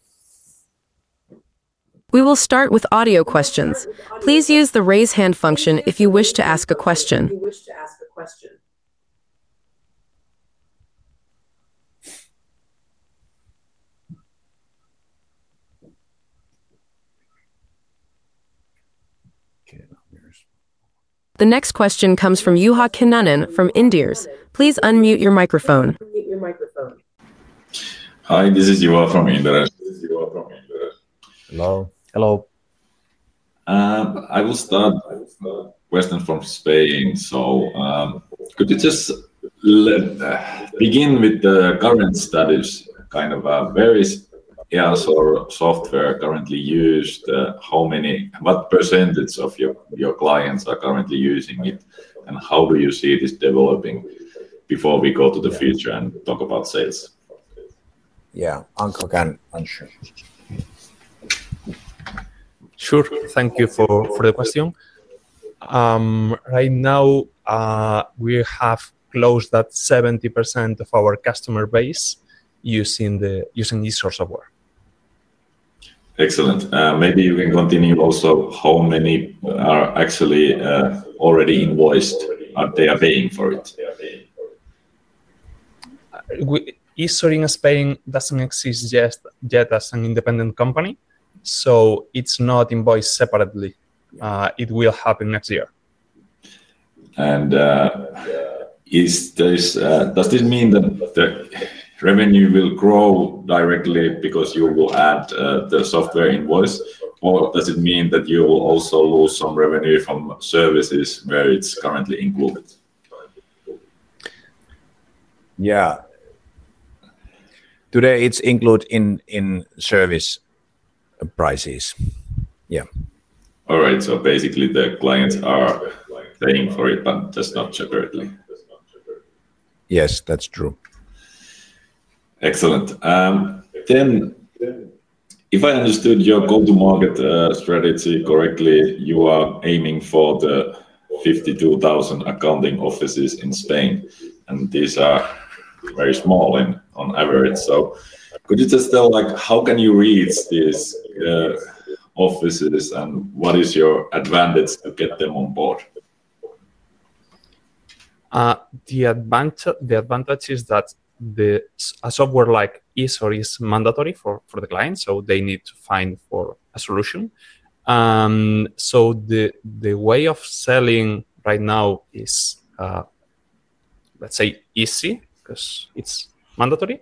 We will start with audio questions. Please use the raise hand function if you wish to ask a question. wish to ask a question, please press star one on your telephone keypad. The next question comes from Juha Kinnunen from Inderes. Please unmute your microphone. Unmute your microphone. Hi, this is Juho from Inderes. Hello. Hello. Question from Spain. Could you just begin with the current studies, kind of various ERP systems or software currently used? How many, what percentage of your clients are currently using it, and how do you see this developing before we go to the future and talk about sales? Yeah, Anxo again. Sure. Thank you for the question. Right now, we have closed that 70% of our customer base using the Easor software. Excellent. Maybe you can continue also. How many are actually already invoiced? They're paying for it. Easor in Spain doesn't exist yet as an independent company, so it's not invoiced separately. It will happen next year. Does this mean that the revenue will grow directly because you will add the software invoice, or does it mean that you will also lose some revenue from services where it's currently included? Yeah, today it's included in service prices. All right. Basically, the clients are paying for it, just not separately. Yes, that's true. Excellent. If I understood your go-to-market strategy correctly, you are aiming for the 52,000 accounting offices in Spain, and these are very small on average. Could you just tell how you can reach these offices and what is your advantage to get them on board? The advantage is that a software like Easor is mandatory for the clients, so they need to find a solution. The way of selling right now is, let's say, easy because it's mandatory.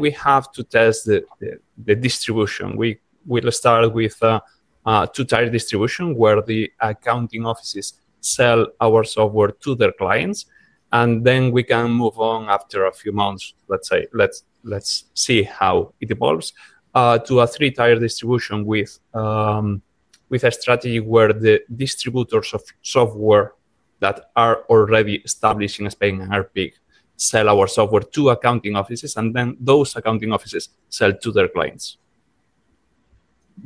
We have to test the distribution. We will start with a two-tier distribution where the accounting offices sell our software to their clients, and then we can move on after a few months. Let's see how it evolves to a three-tier distribution with a strategy where the distributors of software that are already established in Spain and are big sell our software to accounting offices, and then those accounting offices sell to their clients.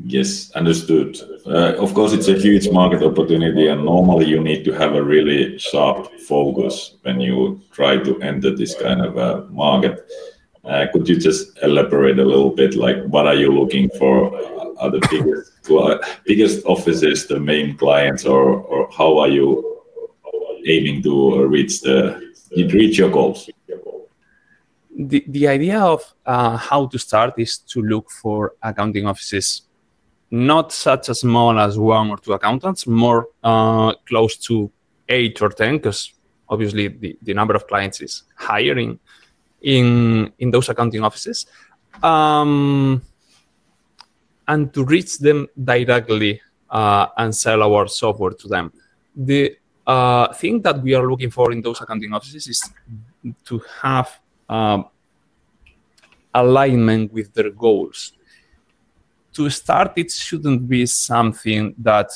Yes, understood. Of course, it's a huge market opportunity, and normally you need to have a really sharp focus when you try to enter this kind of market. Could you just elaborate a little bit? What are you looking for? Are the biggest offices the main clients, or how are you aiming to reach your goals? The idea of how to start is to look for accounting offices, not such a small as one or two accountants, more close to eight or ten, because obviously the number of clients is higher in those accounting offices, and to reach them directly and sell our software to them. The thing that we are looking for in those accounting offices is to have alignment with their goals. To start, it shouldn't be something that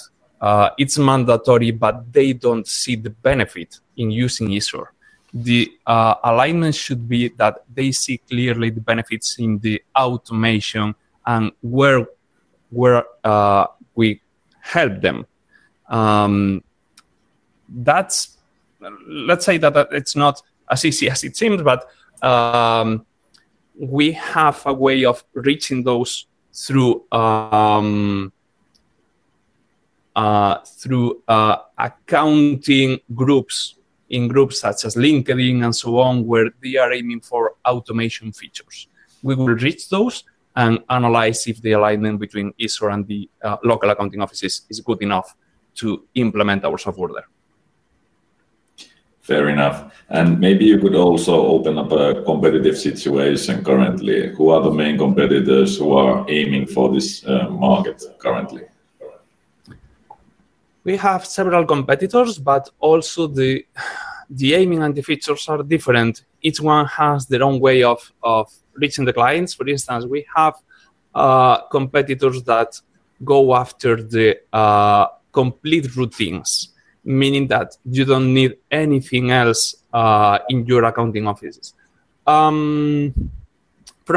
it's mandatory, but they don't see the benefit in using Easor. The alignment should be that they see clearly the benefits in the automation and where we help them. Let's say that it's not as easy as it seems, but we have a way of reaching those through accounting groups in groups such as LinkedIn and so on, where they are aiming for automation features. We will reach those and analyze if the alignment between Easor and the local accounting offices is good enough to implement our software there. Fair enough. Maybe you could also open up a competitive situation currently. Who are the main competitors who are aiming for this market currently? We have several competitors, but also the aiming and the features are different. Each one has their own way of reaching the clients. For instance, we have competitors that go after the complete routines, meaning that you don't need anything else in your accounting offices. From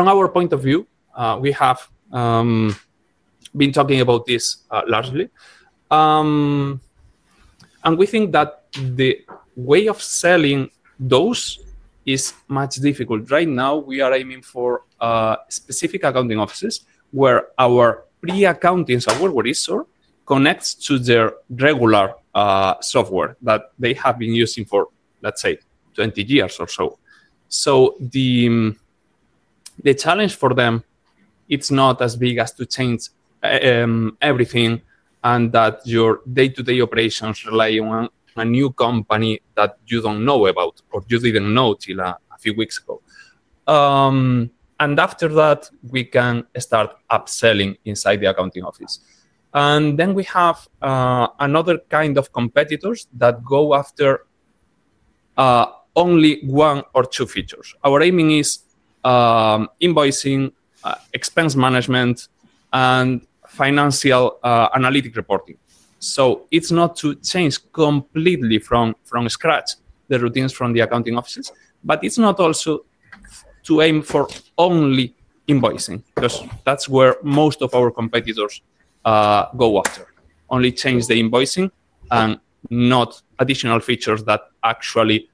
our point of view, we have been talking about this largely, and we think that the way of selling those is much difficult. Right now, we are aiming for specific accounting offices where our pre-accounting software, where Easor connects to their regular software that they have been using for, let's say, 20 years or so. The challenge for them, it's not as big as to change everything and that your day-to-day operations rely on a new company that you don't know about or you didn't know till a few weeks ago. After that, we can start upselling inside the accounting office. We have another kind of competitors that go after only one or two features. Our aiming is invoicing, expense management, and financial analytic reporting. It's not to change completely from scratch the routines from the accounting offices, but it's not also to aim for only invoicing because that's where most of our competitors go after. Only change the invoicing and not additional features that actually...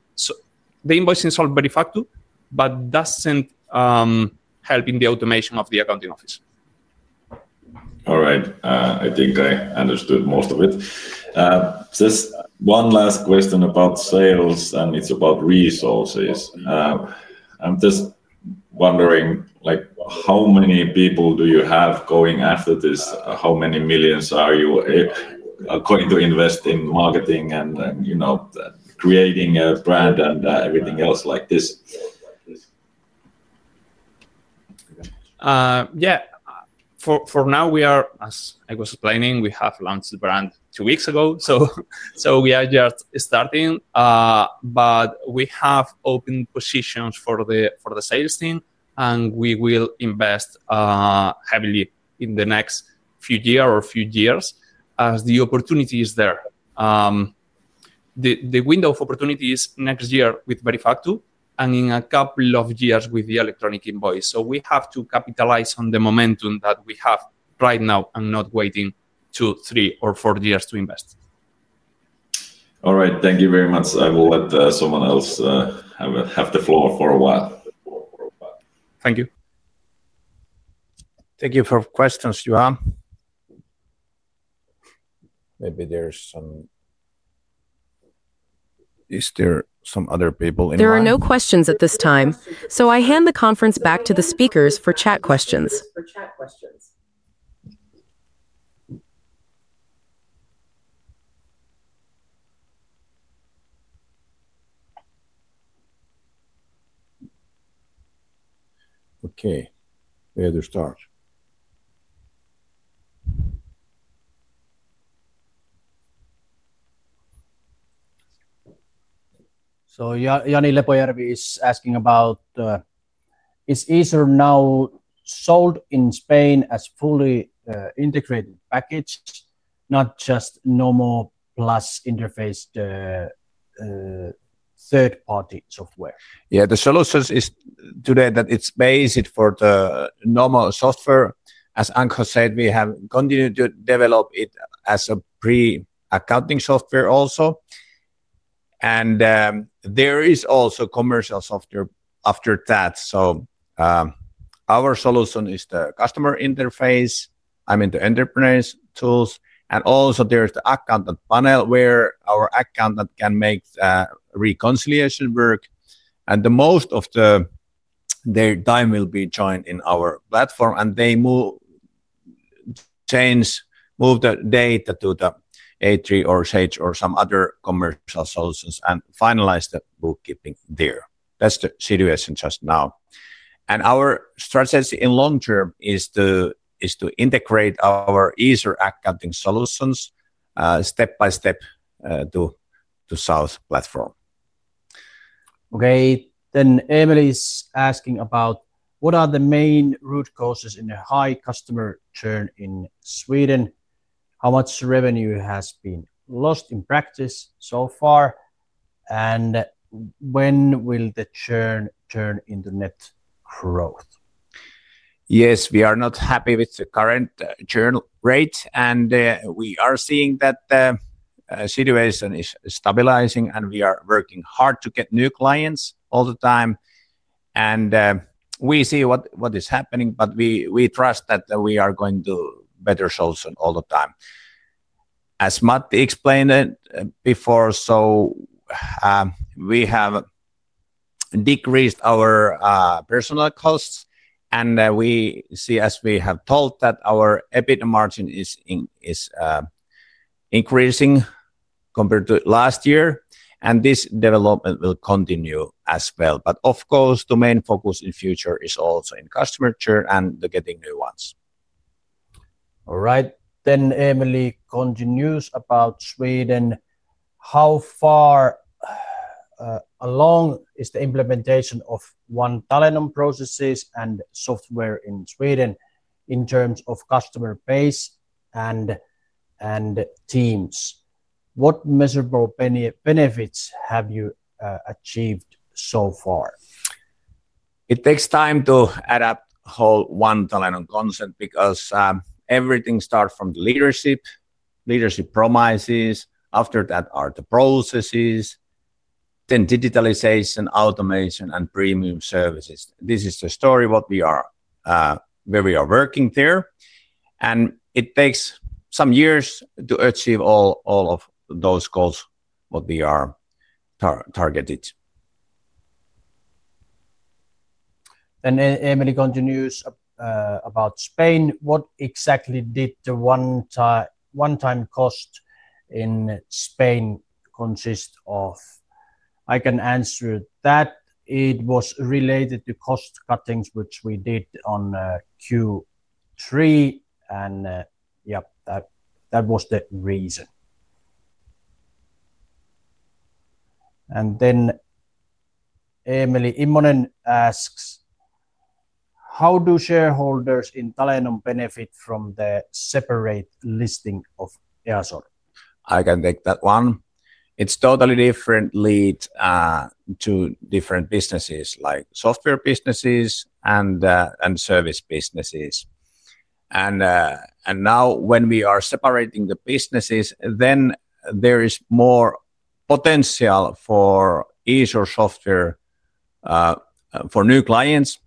The invoicing is all very factful, but doesn't help in the automation of the accounting office. All right. I think I understood most of it. Just one last question about sales, and it's about resources. I'm just wondering, like how many people do you have going after this? How many millions are you going to invest in marketing and creating a brand and everything else like this? For now, we are, as I was explaining, we have launched the brand two weeks ago, so we are just starting. We have open positions for the sales team, and we will invest heavily in the next few years as the opportunity is there. The window of opportunity is next year with Verifactu and in a couple of years with the electronic invoice. We have to capitalize on the momentum that we have right now and not wait two, three, or four years to invest. All right. Thank you very much. I will let someone else have the floor for a while. Thank you. Thank you for questions, Juan. Is there some other people in the room? There are no questions at this time. I hand the conference back to the speakers for chat questions. Okay, where to start? [Jani Lepojärvi] is asking about, is Easor now sold in Spain as a fully integrated package, not just normal plus interfaced third-party software? Yeah, the solution is today that it's basic for the normal software. As Anxo said, we have continued to develop it as a pre-accounting software also. There is also commercial software after that. Our solution is the customer interface, I mean the enterprise tools. There is also the accountant panel where our accountant can make the reconciliation work. Most of their time will be joined in our platform, and they move the data to the A3 or [SAGE] or some other commercial solutions and finalize the bookkeeping there. That's the situation just now. Our strategy in the long term is to integrate our Easor accounting solutions step by step to the SaaS platform. Okay. Emilyyy's asking about what are the main root causes in the high customer churn in Sweden. How much revenue has been lost in practice so far, and when will the churn turn into net growth? Yes, we are not happy with the current churn rate, and we are seeing that the situation is stabilizing, and we are working hard to get new clients all the time. We see what is happening, but we trust that we are going to have better solutions all the time. As Matti explained before, we have decreased our personnel costs, and we see, as we have told, that our EBITDA margin is increasing compared to last year. This development will continue as well. Of course, the main focus in the future is also in customer churn and getting new ones. All right. Emilyy continues about Sweden. How far along is the implementation of ONE Talenom processes and software in Sweden in terms of customer base and teams? What measurable benefits have you achieved so far? It takes time to adapt the whole ONE Talenom concept because everything starts from the leadership. Leadership promises. After that are the processes, then digitalization, automation, and premium services. This is the story of what we are, where we are working there. It takes some years to achieve all of those goals what we are targeted. Emily continues about Spain. What exactly did the one-time cost in Spain consist of? I can answer that. It was related to cost cuttings, which we did in Q3. That was the reason. Emily Immonen asks, how do shareholders in Talenom benefit from the separate listing of ERP systems? I can take that one. It's totally different to different businesses, like software businesses and service businesses. Now when we are separating the businesses, there is more potential for Easor software for new clients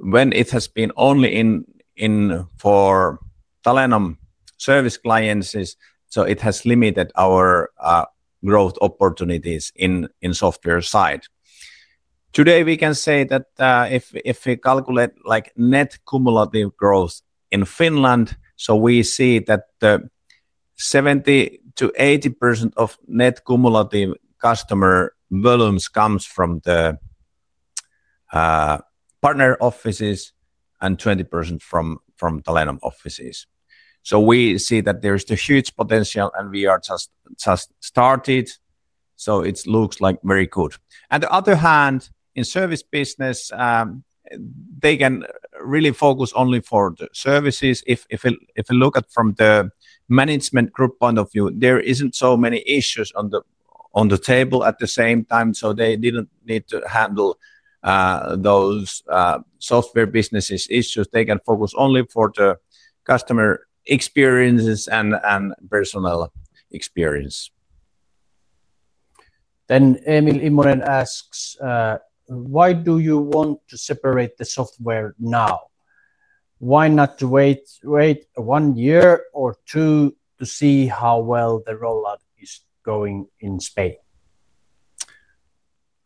when it has been only in for Talenom service clients. It has limited our growth opportunities in the software side. Today, we can say that if we calculate net cumulative growth in Finland, we see that 70%-80% of net cumulative customer volumes come from the partner offices and 20% from Talenom offices. We see that there is a huge potential, and we are just starting. It looks very good. On the other hand, in the service business, they can really focus only on the services. If you look at it from the management group point of view, there are not so many issues on the table at the same time, so they didn't need to handle those software business issues. They can focus only on the customer experience and personal experience. Emily Immonen asks, "Why do you want to separate the software now? Why not wait one year or two to see how well the rollout is going in Spain?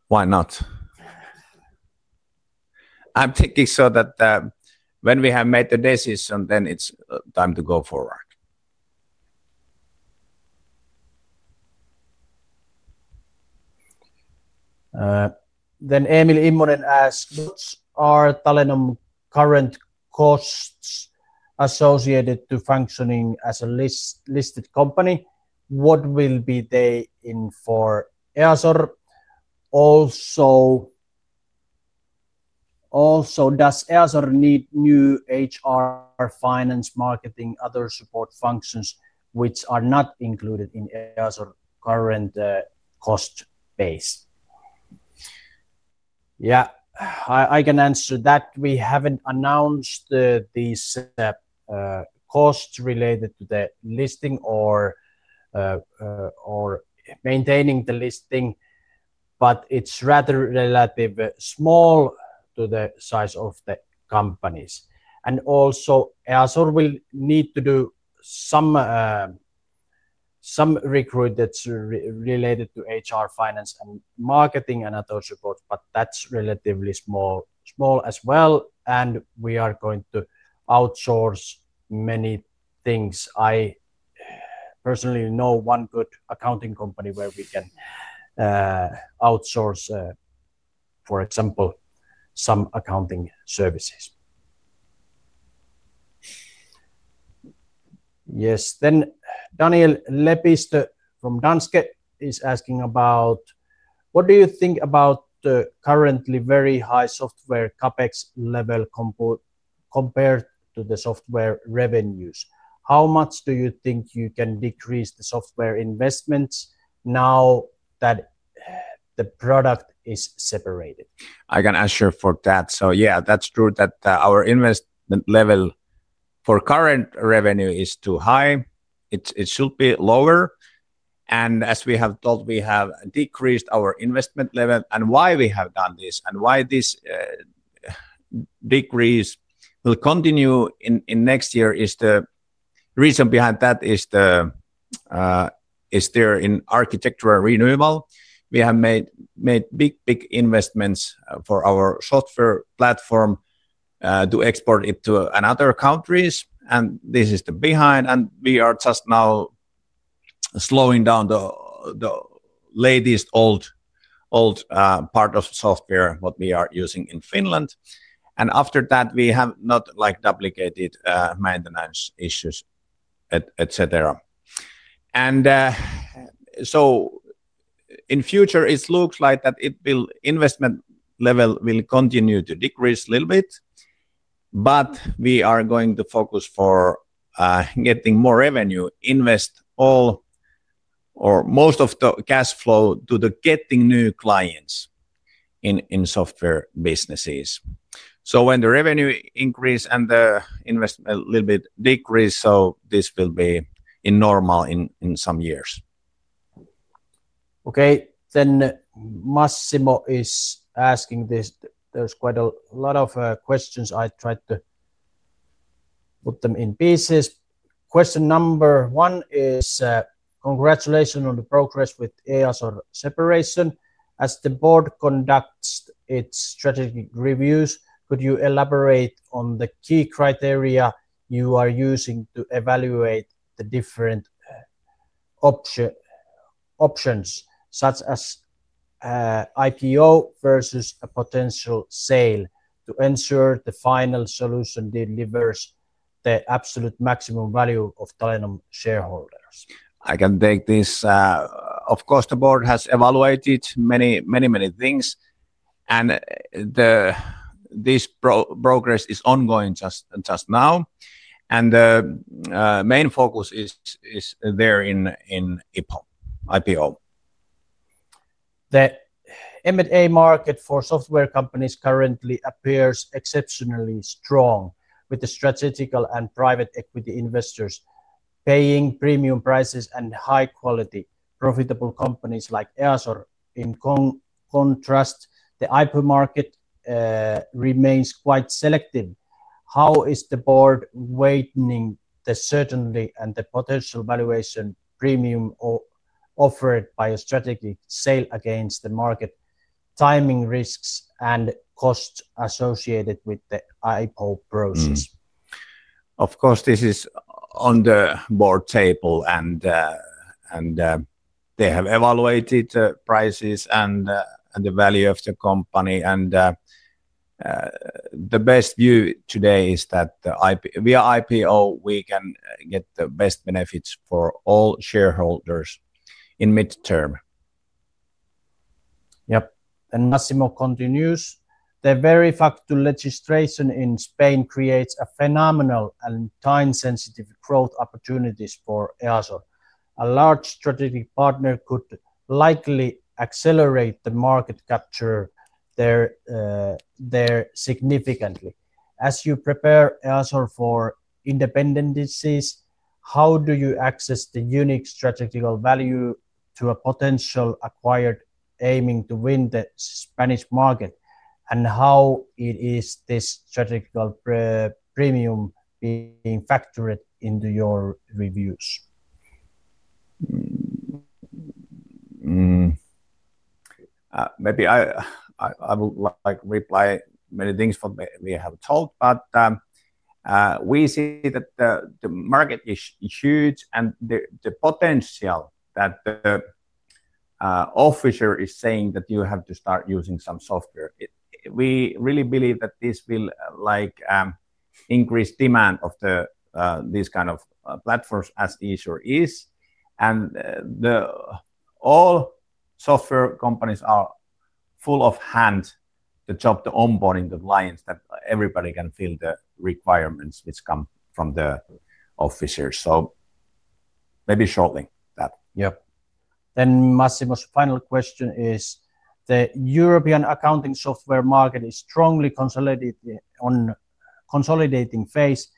Why not? I'm thinking so that when we have made the decision, it's time to go forward. Emily Immonen asks, "What are Talenom's current costs associated with functioning as a listed company? What will they be for Easor? Also, does Easor need new HR, finance, marketing, and other support functions which are not included in Easor's current cost base? Yeah, I can answer that. We haven't announced these costs related to the listing or maintaining the listing, but it's relatively small compared to the size of the companies. Also, Easor will need to do some recruitment related to HR, finance, marketing, and other support, but that's relatively small as well. We are going to outsource many things. I personally know one good accounting company where we can outsource, for example, some accounting services. Yes, then Daniel Lepisto from Danske is asking about, "What do you think about the currently very high software CapEx level compared to the software revenues? How much do you think you can decrease the software investments now that the product is separated? I can answer for that. Yeah, that's true that our investment level for current revenue is too high. It should be lower. As we have told, we have decreased our investment level. The reason behind this and why this decrease will continue in next year is there is an architectural renewal. We have made big, big investments for our software platform to export it to other countries, and this is the behind. We are just now slowing down the latest old part of software we are using in Finland. After that, we have not duplicated maintenance issues, etc. In the future, it looks like the investment level will continue to decrease a little bit, but we are going to focus on getting more revenue, invest all or most of the cash flow to getting new clients in software businesses. When the revenue increases and the investment a little bit decreases, this will be normal in some years. Okay, then Massimo is asking this. There's quite a lot of questions. I tried to put them in pieces. Question number one is, "Congratulations on the progress with Easor separation. As the board conducts its strategic reviews, could you elaborate on the key criteria you are using to evaluate the different options such as IPO versus a potential sale to ensure the final solution delivers the absolute maximum value of Talenom shareholders? I can take this. Of course, the board has evaluated many, many, many things. This progress is ongoing just now. The main focus is there in IPO. The M&A market for software companies currently appears exceptionally strong, with the strategic and private equity investors paying premium prices and high-quality profitable companies like Easor. In contrast, the IPO market remains quite selective. How is the board weighting the certainty and the potential valuation premium offered by a strategic sale against the market timing risks and costs associated with the IPO process? Of course, this is on the board table, and they have evaluated the prices and the value of the company. The best view today is that via IPO, we can get the best benefits for all shareholders in midterm. Yep. Massimo continues, "The very fact that legislation in Spain creates a phenomenal and time-sensitive growth opportunity for Easor. A large strategic partner could likely accelerate the market capture significantly. As you prepare Easor for independence, how do you assess the unique strategic value to a potential acquirer aiming to win the Spanish market? How is this strategic premium being factored into your reviews? Maybe I would like to reply to many things that we have told, but we see that the market is huge and the potential that the officer is saying that you have to start using some software. We really believe that this will increase demand of these kinds of platforms as easier it is. All software companies are full of hands to job the onboarding the clients that everybody can fill the requirements which come from the officers. Maybe shortly that. Yep. Massimo's final question is, "The European accounting software market is strongly consolidating phase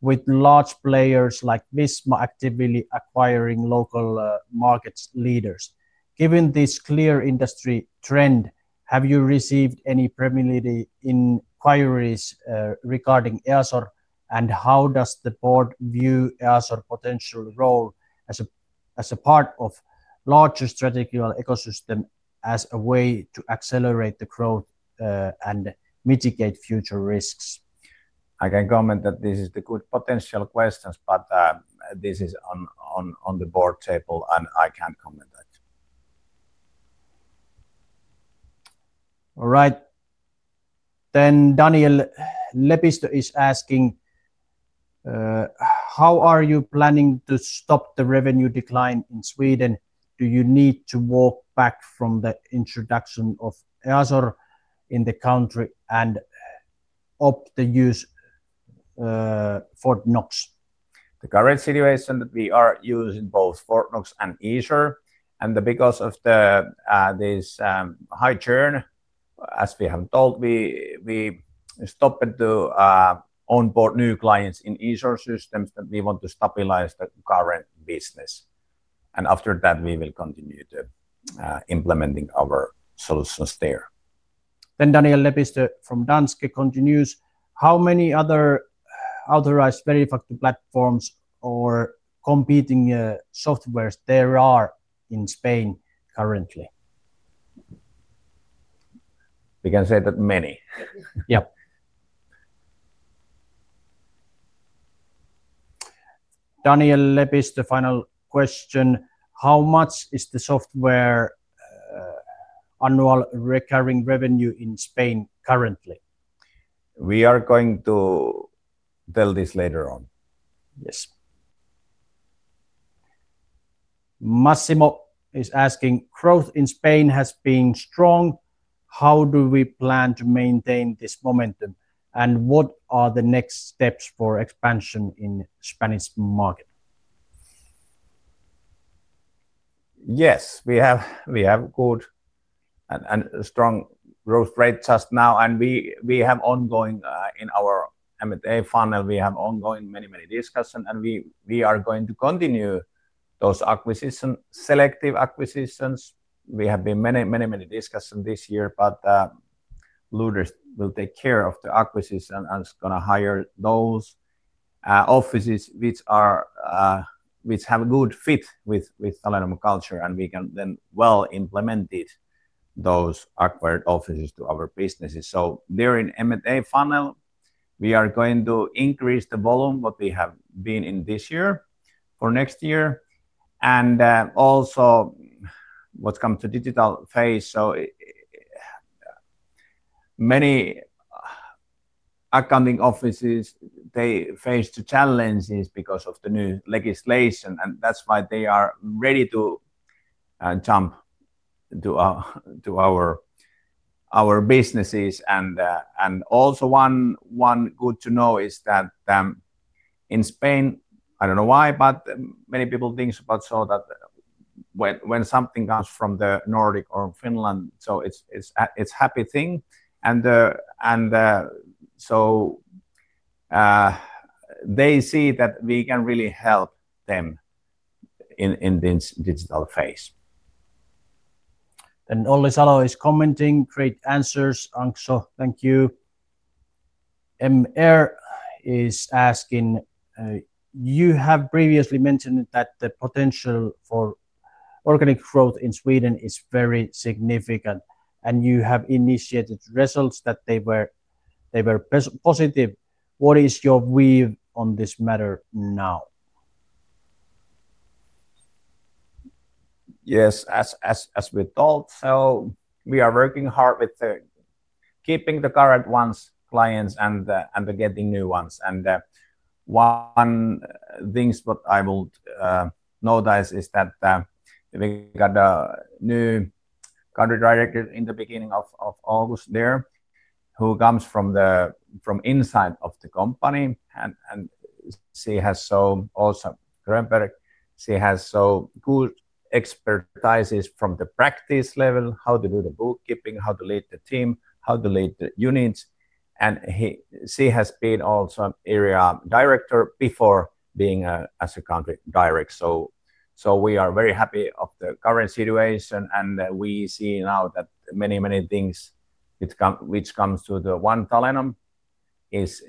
with large players like Visma actively acquiring local market leaders. Given this clear industry trend, have you received any inquiries regarding Easor, and how does the board view Easor's potential role as a part of a larger strategical ecosystem as a way to accelerate the growth and mitigate future risks? I can comment that this is the good potential questions, but this is on the board table, and I can't comment that. All right. Daniel Lepisto is asking, "How are you planning to stop the revenue decline in Sweden? Do you need to walk back from the introduction of Easor in the country and opt to use Fortnox? The current situation is that we are using both Fortnox and Easor. Because of this high churn, as we have told, we stopped to onboard new clients in Easor systems, but we want to stabilize the current business. After that, we will continue implementing our solutions there. Daniel Lepisto from Danske continues, "How many other authorized Verifactu platforms or competing software there are in Spain currently? We can say that many. Yeah. Daniel Lepisto, final question, "How much is the software annual recurring revenue in Spain currently? We are going to tell this later on. Yes. Massimo is asking, "Growth in Spain has been strong. How do we plan to maintain this momentum? What are the next steps for expansion in the Spanish market? Yes, we have good and strong growth rates just now, and we have ongoing in our M&A funnel. We have ongoing many, many discussions, and we are going to continue those selective acquisitions. We have been many, many, many discussions this year, but Lourdes will take care of the acquisition and is going to hire those offices which have a good fit with Talenom culture, and we can then well implement those acquired offices to our businesses. They are in M&A funnel. We are going to increase the volume what we have been in this year for next year. Also, what comes to the digital phase, so many accounting offices, they face challenges because of the new legislation, and that's why they are ready to jump to our businesses. One good to know is that in Spain, I don't know why, but many people think about so that when something comes from the Nordic or Finland, it's a happy thing. They see that we can really help them in this digital phase. Olli Salo is commenting, "Great answers, Anxo. Thank you." Mr is asking, "You have previously mentioned that the potential for organic growth in Sweden is very significant, and you have initiated results that they were positive. What is your view on this matter now? Yes, as we told, we are working hard with keeping the current clients and getting new ones. One thing that I will notice is that we got a new Country Director in the beginning of August there who comes from inside of the company, and she has also, Grönberg, she has so good expertise from the practice level, how to do the bookkeeping, how to lead the team, how to lead the units. She has been also an Area Director before being a Country Director. We are very happy of the current situation, and we see now that many, many things which come to the ONE Talenom is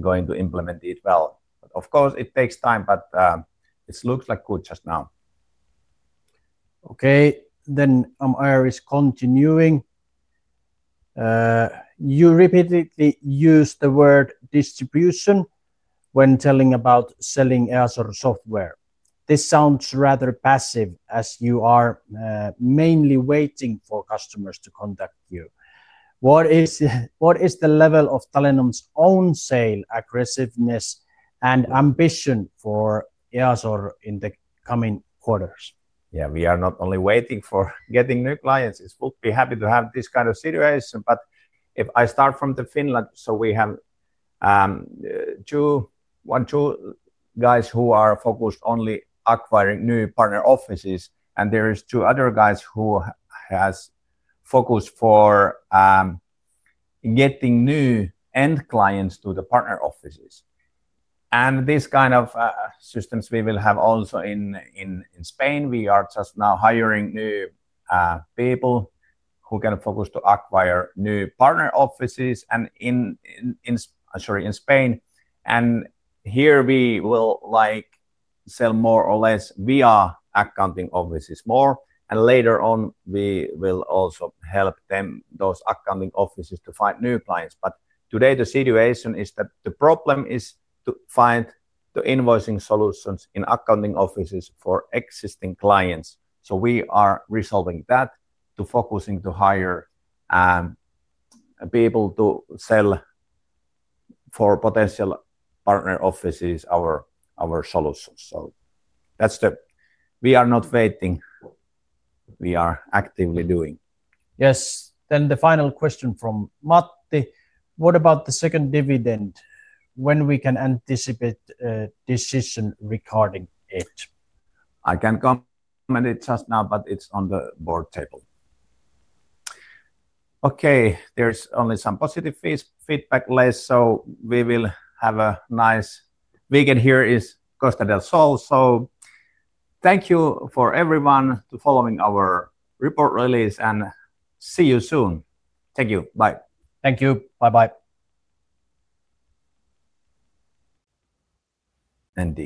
going to implement it well. Of course, it takes time, but it looks like good just now. Okay, then Amir is continuing, "You repeatedly use the word distribution when telling about selling Easor software. This sounds rather passive as you are mainly waiting for customers to contact you. What is the level of Talenom's own sale aggressiveness and ambition for Easor in the coming quarters? Yeah, we are not only waiting for getting new clients. It would be happy to have this kind of situation, but if I start from Finland, we have one, two guys who are focused only on acquiring new partner offices, and there are two other guys who have focused on getting new end clients to the partner offices. This kind of systems we will have also in Spain. We are just now hiring new people who can focus to acquire new partner offices in Spain. Here we will sell more or less via accounting offices more, and later on we will also help those accounting offices to find new clients. Today the situation is that the problem is to find the invoicing solutions in accounting offices for existing clients. We are resolving that by focusing to hire people to sell for potential partner offices our solutions. That's the, we are not waiting. We are actively doing. Yes. The final question from Matti, "What about the second dividend? When can we anticipate a decision regarding it? I can comment it just now, but it's on the board table. There is only some positive feedback left, so we will have a nice weekend here in Costa del Sol. Thank you for everyone for following our report release, and see you soon. Thank you. Bye. Thank you. Bye-bye. And.